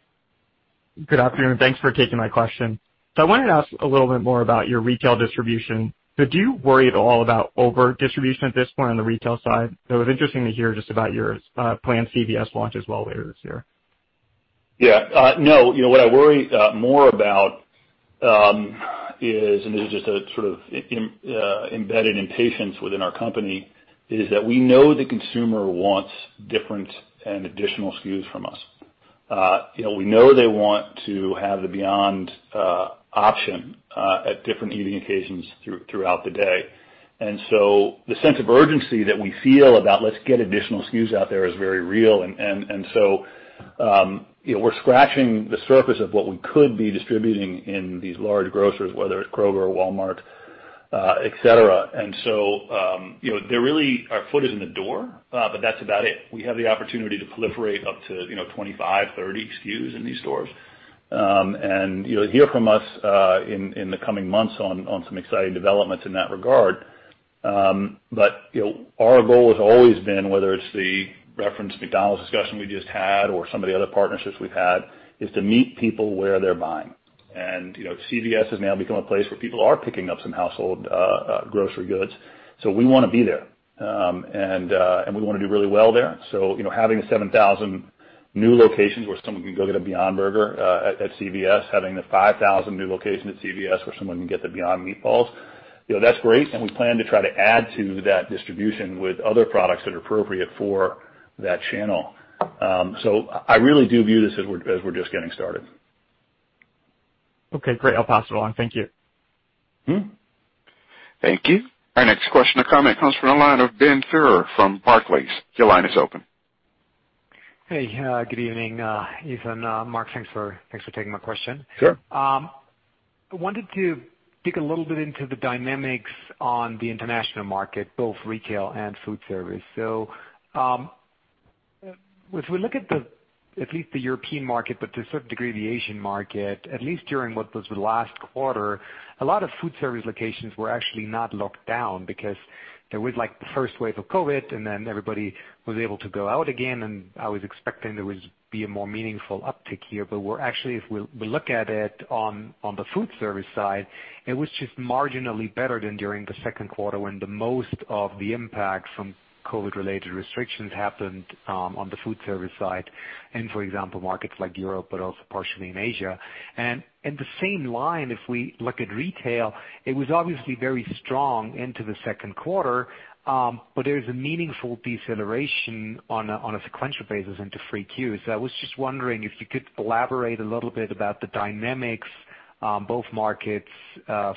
Good afternoon. Thanks for taking my question. I wanted to ask a little bit more about your retail distribution. Do you worry at all about over-distribution at this point on the retail side? It was interesting to hear just about your planned CVS launch as well later this year. What I worry more about is, and this is just sort of embedded impatience within our company, is that we know the consumer wants different and additional SKUs from us. We know they want to have the Beyond option at different eating occasions throughout the day. The sense of urgency that we feel about let's get additional SKUs out there is very real, and so we're scratching the surface of what we could be distributing in these large grocers, whether it's Kroger or Walmart, et cetera. Our foot is in the door, but that's about it. We have the opportunity to proliferate up to 25-30 SKUs in these stores. You'll hear from us in the coming months on some exciting developments in that regard. Our goal has always been, whether it's the referenced McDonald's discussion we just had or some of the other partnerships we've had, is to meet people where they're buying. CVS has now become a place where people are picking up some household grocery goods. We want to be there. We want to do really well there. Having the 7,000 new locations where someone can go get a Beyond Burger at CVS, having the 5,000 new locations at CVS where someone can get the Beyond Meatballs, that's great, and we plan to try to add to that distribution with other products that are appropriate for that channel. I really do view this as we're just getting started. Okay, great. I'll pass it along. Thank you. Thank you. Our next question or comment comes from the line of Ben Theurer from Barclays. Your line is open. Hey, good evening, Ethan. Mark, thanks for taking my question. Sure. I wanted to dig a little bit into the dynamics on the international market, both retail and food service. If we look at at least the European market, but to a certain degree, the Asian market, at least during what was the last quarter, a lot of food service locations were actually not locked down because there was the first wave of COVID-19, and then everybody was able to go out again, and I was expecting there would be a more meaningful uptick here. Actually, if we look at it on the food service side, it was just marginally better than during the second quarter when the most of the impact from COVID-19-related restrictions happened on the food service side, in, for example, markets like Europe, but also partially in Asia. The same line, if we look at retail, it was obviously very strong into the second quarter, but there is a meaningful deceleration on a sequential basis into 3Q. I was just wondering if you could elaborate a little bit about the dynamics on both markets,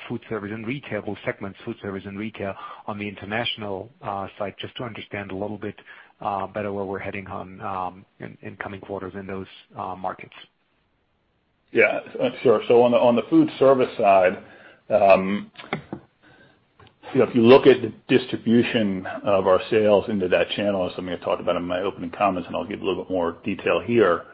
food service and retail, both segments, food service and retail, on the international side, just to understand a little bit better where we're heading in coming quarters in those markets. Yeah, sure. On the food service side, if you look at the distribution of our sales into that channel, and something I talked about in my opening comments, and I'll give a little bit more detail here.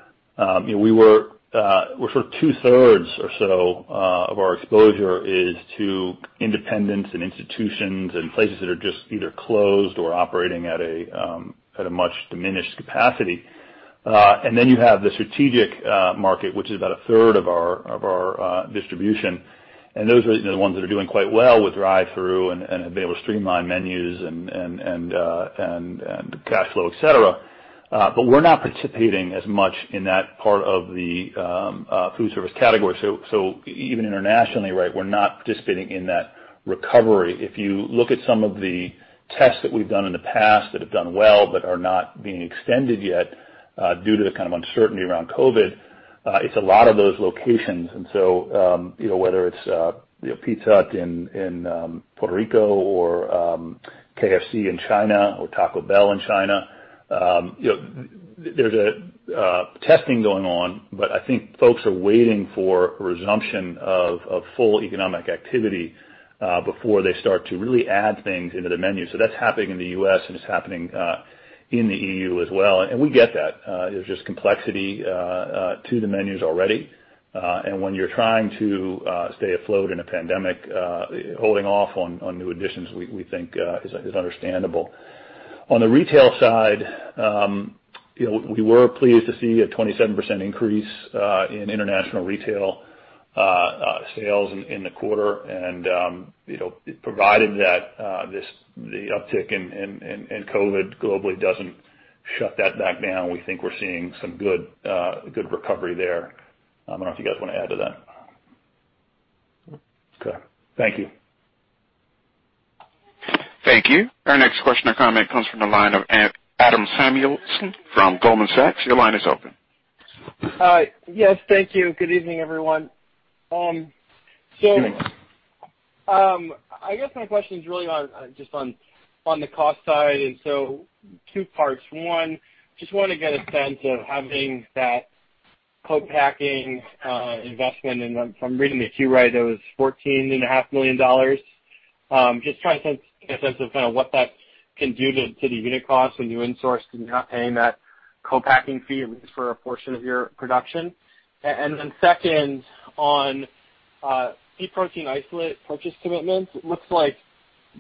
We were, sort of 2/3 or so of our exposure is to independents and institutions and places that are just either closed or operating at a much diminished capacity. You have the strategic market, which is about a third of our distribution. Those are the ones that are doing quite well with drive-through and have been able to streamline menus and cash flow, et cetera. We're not participating as much in that part of the food service category. Even internationally, we're not participating in that recovery. If you look at some of the tests that we've done in the past that have done well but are not being extended yet, due to the kind of uncertainty around COVID, it's a lot of those locations. Whether it's Pizza Hut in Puerto Rico or KFC in China or Taco Bell in China, there's a testing going on, but I think folks are waiting for a resumption of full economic activity before they start to really add things into the menu. That's happening in the U.S., and it's happening in the EU as well. We get that. There's just complexity to the menus already. When you're trying to stay afloat in a pandemic, holding off on new additions, we think is understandable. On the retail side, we were pleased to see a 27% increase in international retail sales in the quarter. Provided that the uptick in COVID globally doesn't shut that back down, we think we're seeing some good recovery there. I don't know if you guys want to add to that. Okay. Thank you. Thank you. Our next question or comment comes from the line of Adam Samuelson from Goldman Sachs. Your line is open. Yes, thank you. Good evening, everyone. I guess my question is really on just on the cost side, two parts. One, just want to get a sense of having that co-packing investment and if I'm reading the Q right, that was $14.5 million. Just trying to get a sense of kind of what that can do to the unit cost when you insource and you're not paying that co-packing fee, at least for a portion of your production. Second, on pea protein isolate purchase commitments, it looks like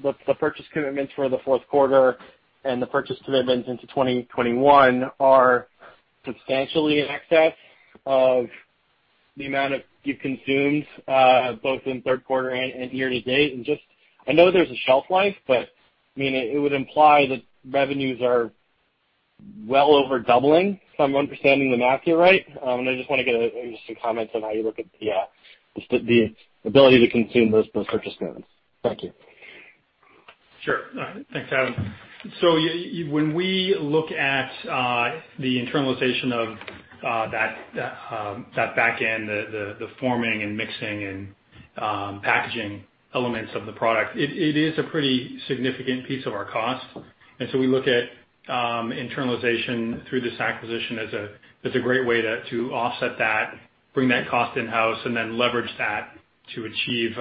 the purchase commitments for the fourth quarter and the purchase commitments into 2021 are substantially in excess of the amount of you consumed, both in third quarter and year to date. I know there's a shelf life, but I mean, it would imply that revenues are well over doubling if I'm understanding the math here right. I just want to get just some comments on how you look at the ability to consume those purchase commitments. Thank you. Sure. Thanks, Adam. When we look at the internalization of that back end, the forming and mixing and packaging elements of the product, it is a pretty significant piece of our cost. We look at internalization through this acquisition as a great way to offset that, bring that cost in-house, and then leverage that to achieve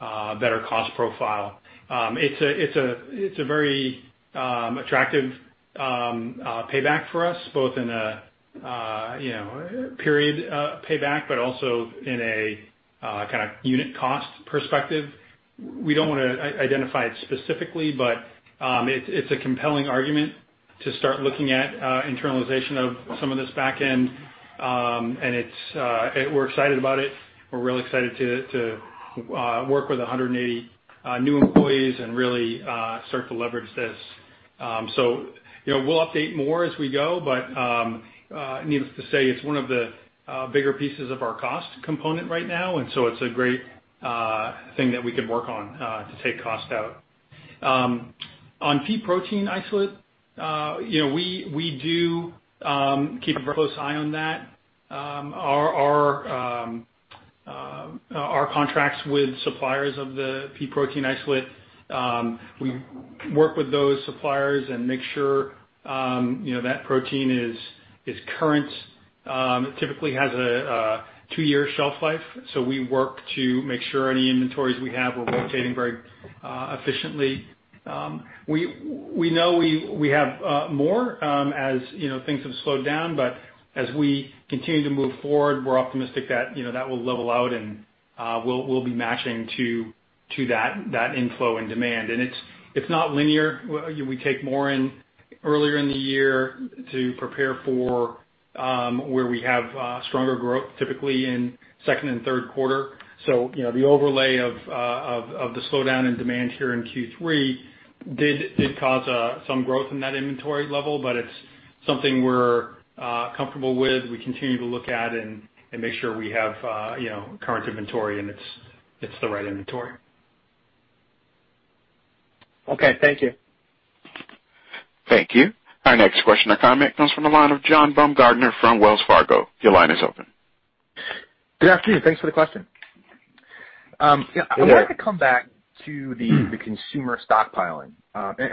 a better cost profile. It's a very attractive payback for us, both in a period payback, but also in a kind of unit cost perspective. We don't want to identify it specifically, but it's a compelling argument to start looking at internalization of some of this back end. We're excited about it. We're really excited to work with 180 new employees and really start to leverage this. We'll update more as we go, needless to say, it's one of the bigger pieces of our cost component right now, it's a great thing that we could work on to take cost out. On pea protein isolate, we do keep a very close eye on that. Our contracts with suppliers of the pea protein isolate, we work with those suppliers and make sure that protein is current. It typically has a two-year shelf life, we work to make sure any inventories we have are rotating very efficiently. We know we have more as things have slowed down, as we continue to move forward, we're optimistic that will level out and we'll be matching to that inflow and demand. It's not linear. We take more in earlier in the year to prepare for where we have stronger growth, typically in second and third quarter. The overlay of the slowdown in demand here in Q3 did cause some growth in that inventory level, but it's something we're comfortable with. We continue to look at and make sure we have current inventory and it's the right inventory. Okay, thank you. Thank you. Our next question or comment comes from the line of John Baumgartner from Wells Fargo. Your line is open. Good afternoon. Thanks for the question. Good morning. I wanted to come back to the consumer stockpiling.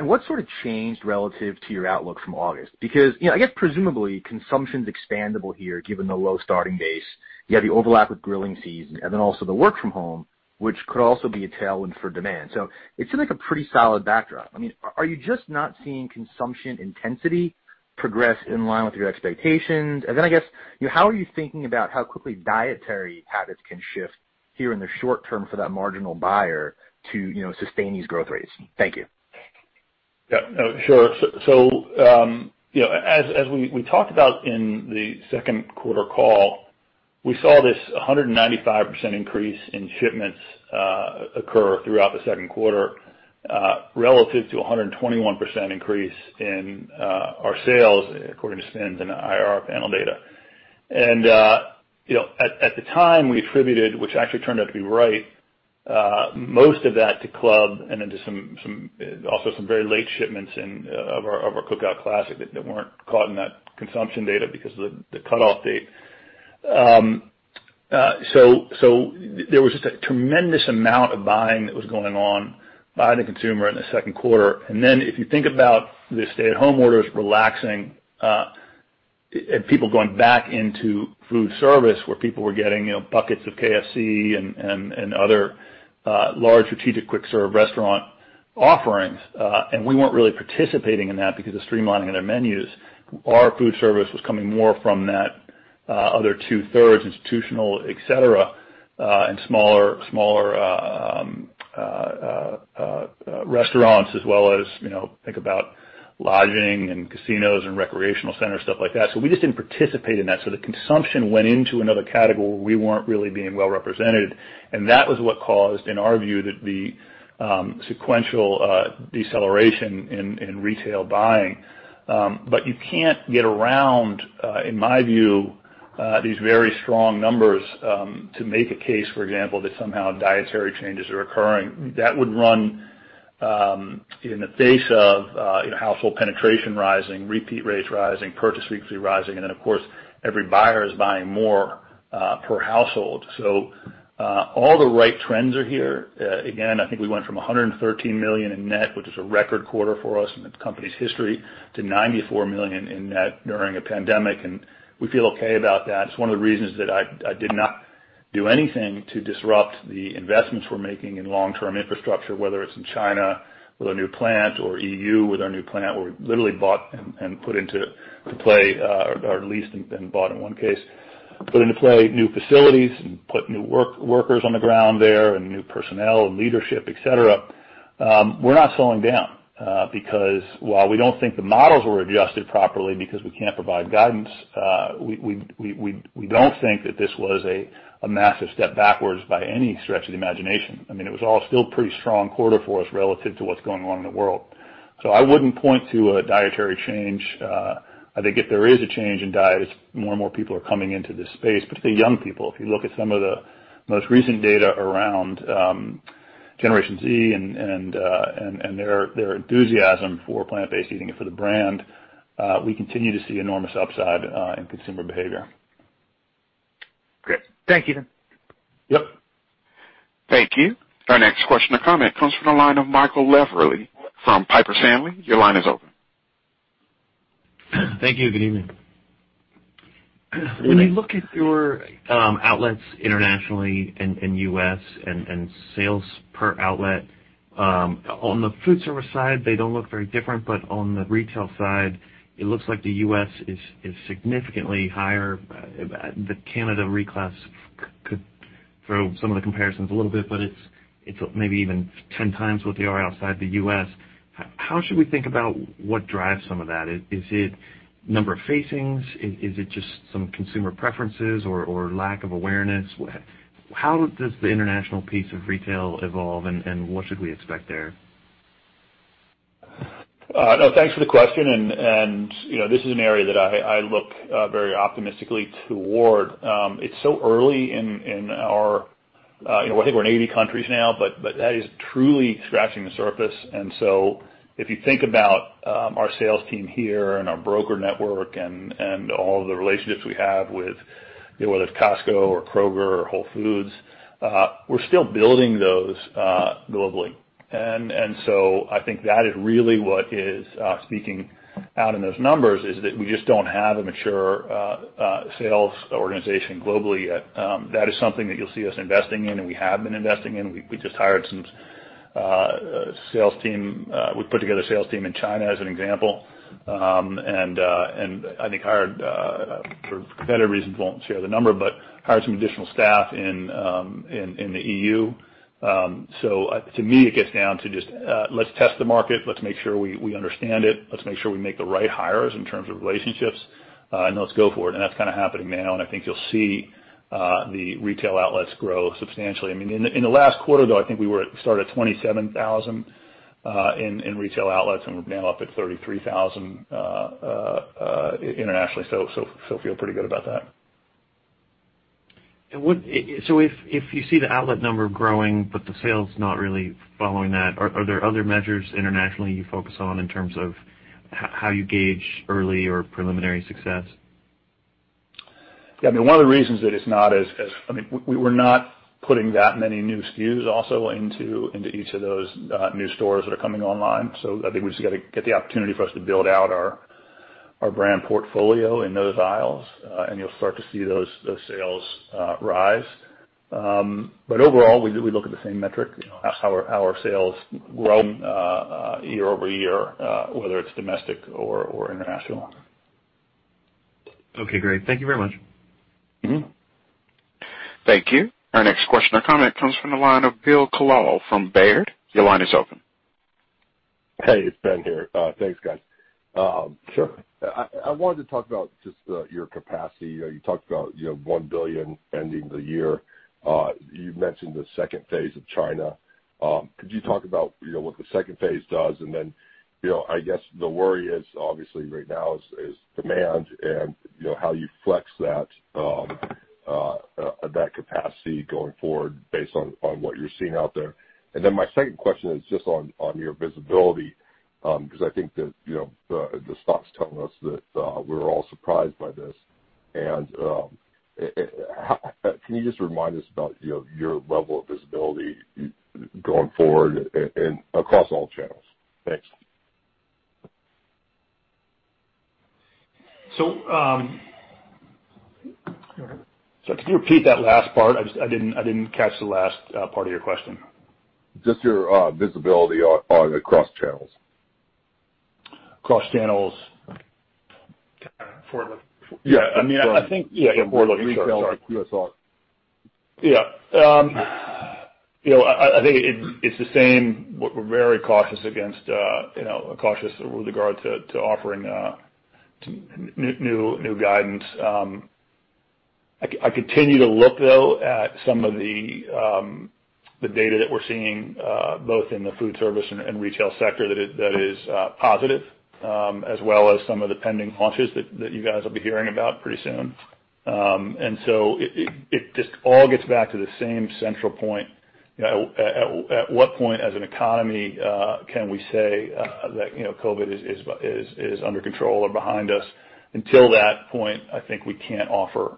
What sort of changed relative to your outlook from August? Because I guess presumably consumption's expandable here given the low starting base. You have the overlap with grilling season and then also the work from home, which could also be a tailwind for demand. It seems like a pretty solid backdrop. I mean, are you just not seeing consumption intensity progress in line with your expectations? How are you thinking about how quickly dietary habits can shift here in the short term for that marginal buyer to sustain these growth rates? Thank you. Yeah. Sure. As we talked about in the second quarter call, we saw this 195% increase in shipments occur throughout the second quarter, relative to 121% increase in our sales according to SPINS and IRI panel data. At the time, we attributed, which actually turned out to be right, most of that to club and then to also some very late shipments of our Cookout Classic that weren't caught in that consumption data because of the cutoff date. There was just a tremendous amount of buying that was going on by the consumer in the second quarter. Then if you think about the stay-at-home orders relaxing, and people going back into food service where people were getting buckets of KFC and other large strategic quick-serve restaurant offerings. We weren't really participating in that because of the streamlining of their menus. Our food service was coming more from that other 2/3 institutional, et cetera, and smaller restaurants as well as, think about lodging and casinos and recreational centers, stuff like that. We just didn't participate in that. The consumption went into another category where we weren't really being well-represented, and that was what caused, in our view, the sequential deceleration in retail buying. You can't get around, in my view, these very strong numbers, to make a case, for example, that somehow dietary changes are occurring. That would run in the face of household penetration rising, repeat rates rising, purchase frequency rising, and then of course, every buyer is buying more per household. All the right trends are here. I think we went from $113 million in net, which is a record quarter for us in the company's history, to $94 million in net during a pandemic, and we feel okay about that. It's one of the reasons that I did not do anything to disrupt the investments we're making in long-term infrastructure, whether it's in China with our new plant or EU with our new plant, where we literally bought and put into play, or at least, and bought in one case, put into play new facilities and put new workers on the ground there and new personnel and leadership, et cetera. We're not slowing down, because while we don't think the models were adjusted properly because we can't provide guidance, we don't think that this was a massive step backwards by any stretch of the imagination. It was all still a pretty strong quarter for us relative to what's going on in the world. I wouldn't point to a dietary change. I think if there is a change in diet, it's more and more people are coming into this space, particularly young people. If you look at some of the most recent data around Generation Z and their enthusiasm for plant-based eating and for the brand, we continue to see enormous upside in consumer behavior. Great. Thank you. Yep. Thank you. Our next question to come in comes from the line of Michael Lavery from Piper Sandler. Your line is open. Thank you. Good evening. Good evening. When you look at your outlets internationally in U.S. and sales per outlet, on the food service side, they don't look very different, but on the retail side, it looks like the U.S. is significantly higher. The Canada reclass could throw some of the comparisons a little bit, but it's maybe even 10x what they are outside the U.S. How should we think about what drives some of that? Is it number of facings? Is it just some consumer preferences or lack of awareness? How does the international piece of retail evolve and what should we expect there? Thanks for the question. This is an area that I look very optimistically toward. It's so early in. I think we're in 80 countries now, but that is truly scratching the surface. If you think about our sales team here and our broker network and all the relationships we have with, whether it's Costco or Kroger or Whole Foods, we're still building those globally. I think that is really what is speaking out in those numbers, is that we just don't have a mature sales organization globally yet. That is something that you'll see us investing in and we have been investing in. We just hired some sales team. We put together a sales team in China, as an example, and I think hired, for competitive reasons, won't share the number, but hired some additional staff in the EU. To me, it gets down to just let's test the market, let's make sure we understand it, let's make sure we make the right hires in terms of relationships, and let's go for it. That's happening now, and I think you'll see the retail outlets grow substantially. In the last quarter, though, I think we started at 27,000 in retail outlets, and we're now up at 33,000 internationally. Feel pretty good about that. If you see the outlet number growing, but the sales not really following that, are there other measures internationally you focus on in terms of how you gauge early or preliminary success? Yeah. One of the reasons that We're not putting that many new SKUs also into each of those new stores that are coming online. I think we just got to get the opportunity for us to build out our brand portfolio in those aisles, and you'll start to see those sales rise. Overall, we look at the same metric, how our sales grow year-over-year, whether it's domestic or international. Okay, great. Thank you very much. Thank you. Our next question or comment comes from the line of Ben Kallo from Baird. Your line is open. Hey, it's Ben here. Thanks, guys. Sure. I wanted to talk about just your capacity. You talked about you have $1 billion ending the year. You mentioned the second phase of China. Could you talk about what the second phase does? I guess the worry obviously right now is demand and how you flex that capacity going forward based on what you're seeing out there. My second question is just on your visibility, because I think that the stock's telling us that we're all surprised by this. Can you just remind us about your level of visibility going forward and across all channels? Thanks. Could you repeat that last part? I didn't catch the last part of your question. Just your visibility across channels? Across channels. For the- Yeah. I think- For the retail, sorry. Yeah. I think it's the same. We're very cautious with regard to offering new guidance. I continue to look, though, at some of the data that we're seeing, both in the food service and retail sector, that is positive, as well as some of the pending launches that you guys will be hearing about pretty soon. It just all gets back to the same central point. At what point as an economy can we say that COVID is under control or behind us? Until that point, I think we can't offer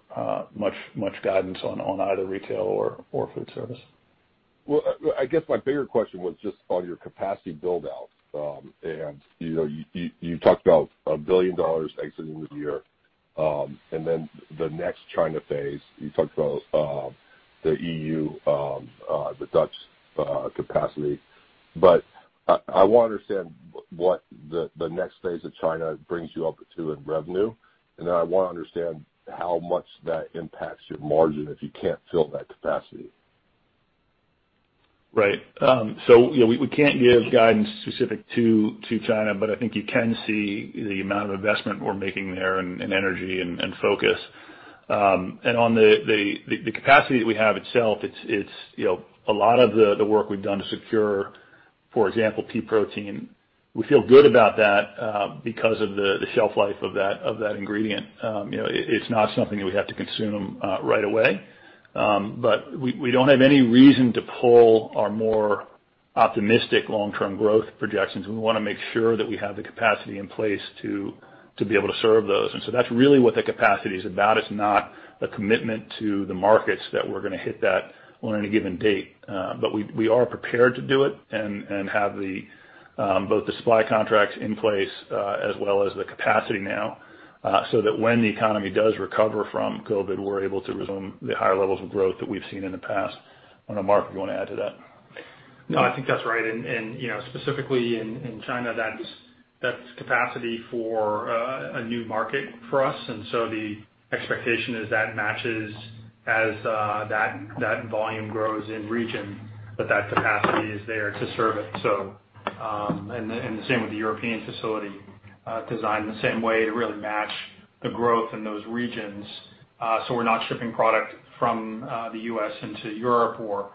much guidance on either retail or food service. Well, I guess my bigger question was just on your capacity build-out. You talked about $1 billion exiting this year. Then the next China phase, you talked about the EU, the Dutch capacity. I want to understand what the next phase of China brings you up to in revenue. Then I want to understand how much that impacts your margin if you can't fill that capacity. Right. We can't give guidance specific to China, but I think you can see the amount of investment we're making there, and energy and focus. On the capacity that we have itself, a lot of the work we've done to secure, for example, pea protein, we feel good about that because of the shelf life of that ingredient. It's not something that we have to consume right away. We don't have any reason to pull our more optimistic long-term growth projections. We want to make sure that we have the capacity in place to be able to serve those. That's really what the capacity is about. It's not a commitment to the markets that we're going to hit that on any given date. We are prepared to do it and have both the supply contracts in place as well as the capacity now, so that when the economy does recover from COVID, we're able to resume the higher levels of growth that we've seen in the past. I don't know, Mark, if you want to add to that. No, I think that's right. Specifically in China, that's capacity for a new market for us. The expectation is that matches as that volume grows in region, that that capacity is there to serve it. The same with the European facility, designed the same way to really match the growth in those regions. We're not shipping product from the U.S. into Europe or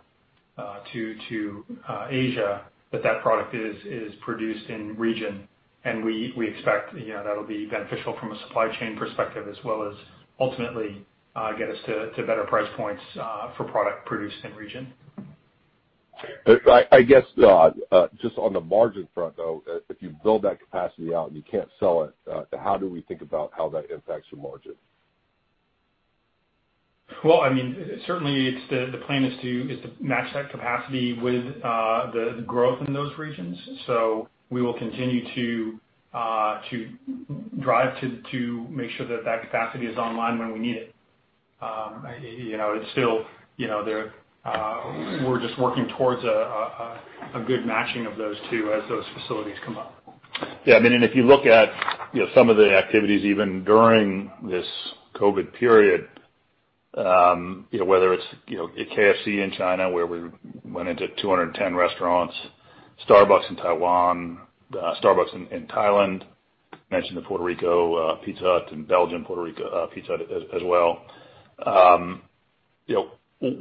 to Asia, that that product is produced in region. We expect that'll be beneficial from a supply chain perspective as well as ultimately get us to better price points for product produced in region. I guess, just on the margin front, though, if you build that capacity out and you can't sell it, how do we think about how that impacts your margin? Well, certainly, the plan is to match that capacity with the growth in those regions. We will continue to drive to make sure that that capacity is online when we need it. We're just working towards a good matching of those two as those facilities come up. If you look at some of the activities even during this COVID-19 period, whether it's KFC in China where we went into 210 restaurants, Starbucks in Taiwan, Starbucks in Thailand, mentioned the Puerto Rico, Pizza Hut in Belgium, Puerto Rico Pizza Hut as well.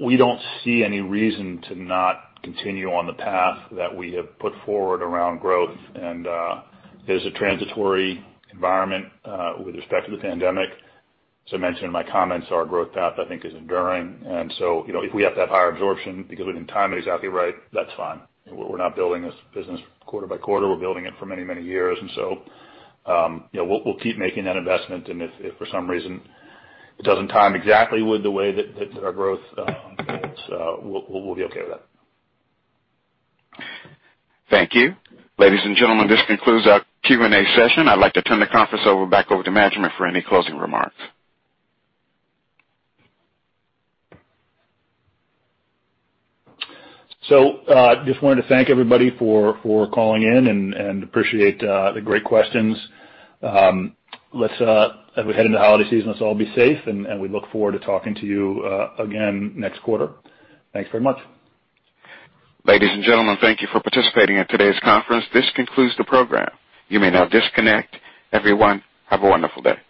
We don't see any reason to not continue on the path that we have put forward around growth. There's a transitory environment with respect to the pandemic. As I mentioned in my comments, our growth path, I think, is enduring. If we have to have higher absorption because we didn't time it exactly right, that's fine. We're not building this business quarter by quarter. We're building it for many, many years. We'll keep making that investment, and if for some reason it doesn't time exactly with the way that our growth unfolds, we'll be okay with that. Thank you. Ladies and gentlemen, this concludes our Q&A session. I'd like to turn the conference back over to management for any closing remarks. Just wanted to thank everybody for calling in, and appreciate the great questions. As we head into holiday season, let's all be safe, and we look forward to talking to you again next quarter. Thanks very much. Ladies and gentlemen, thank you for participating in today's conference. This concludes the program. You may now disconnect. Everyone, have a wonderful day.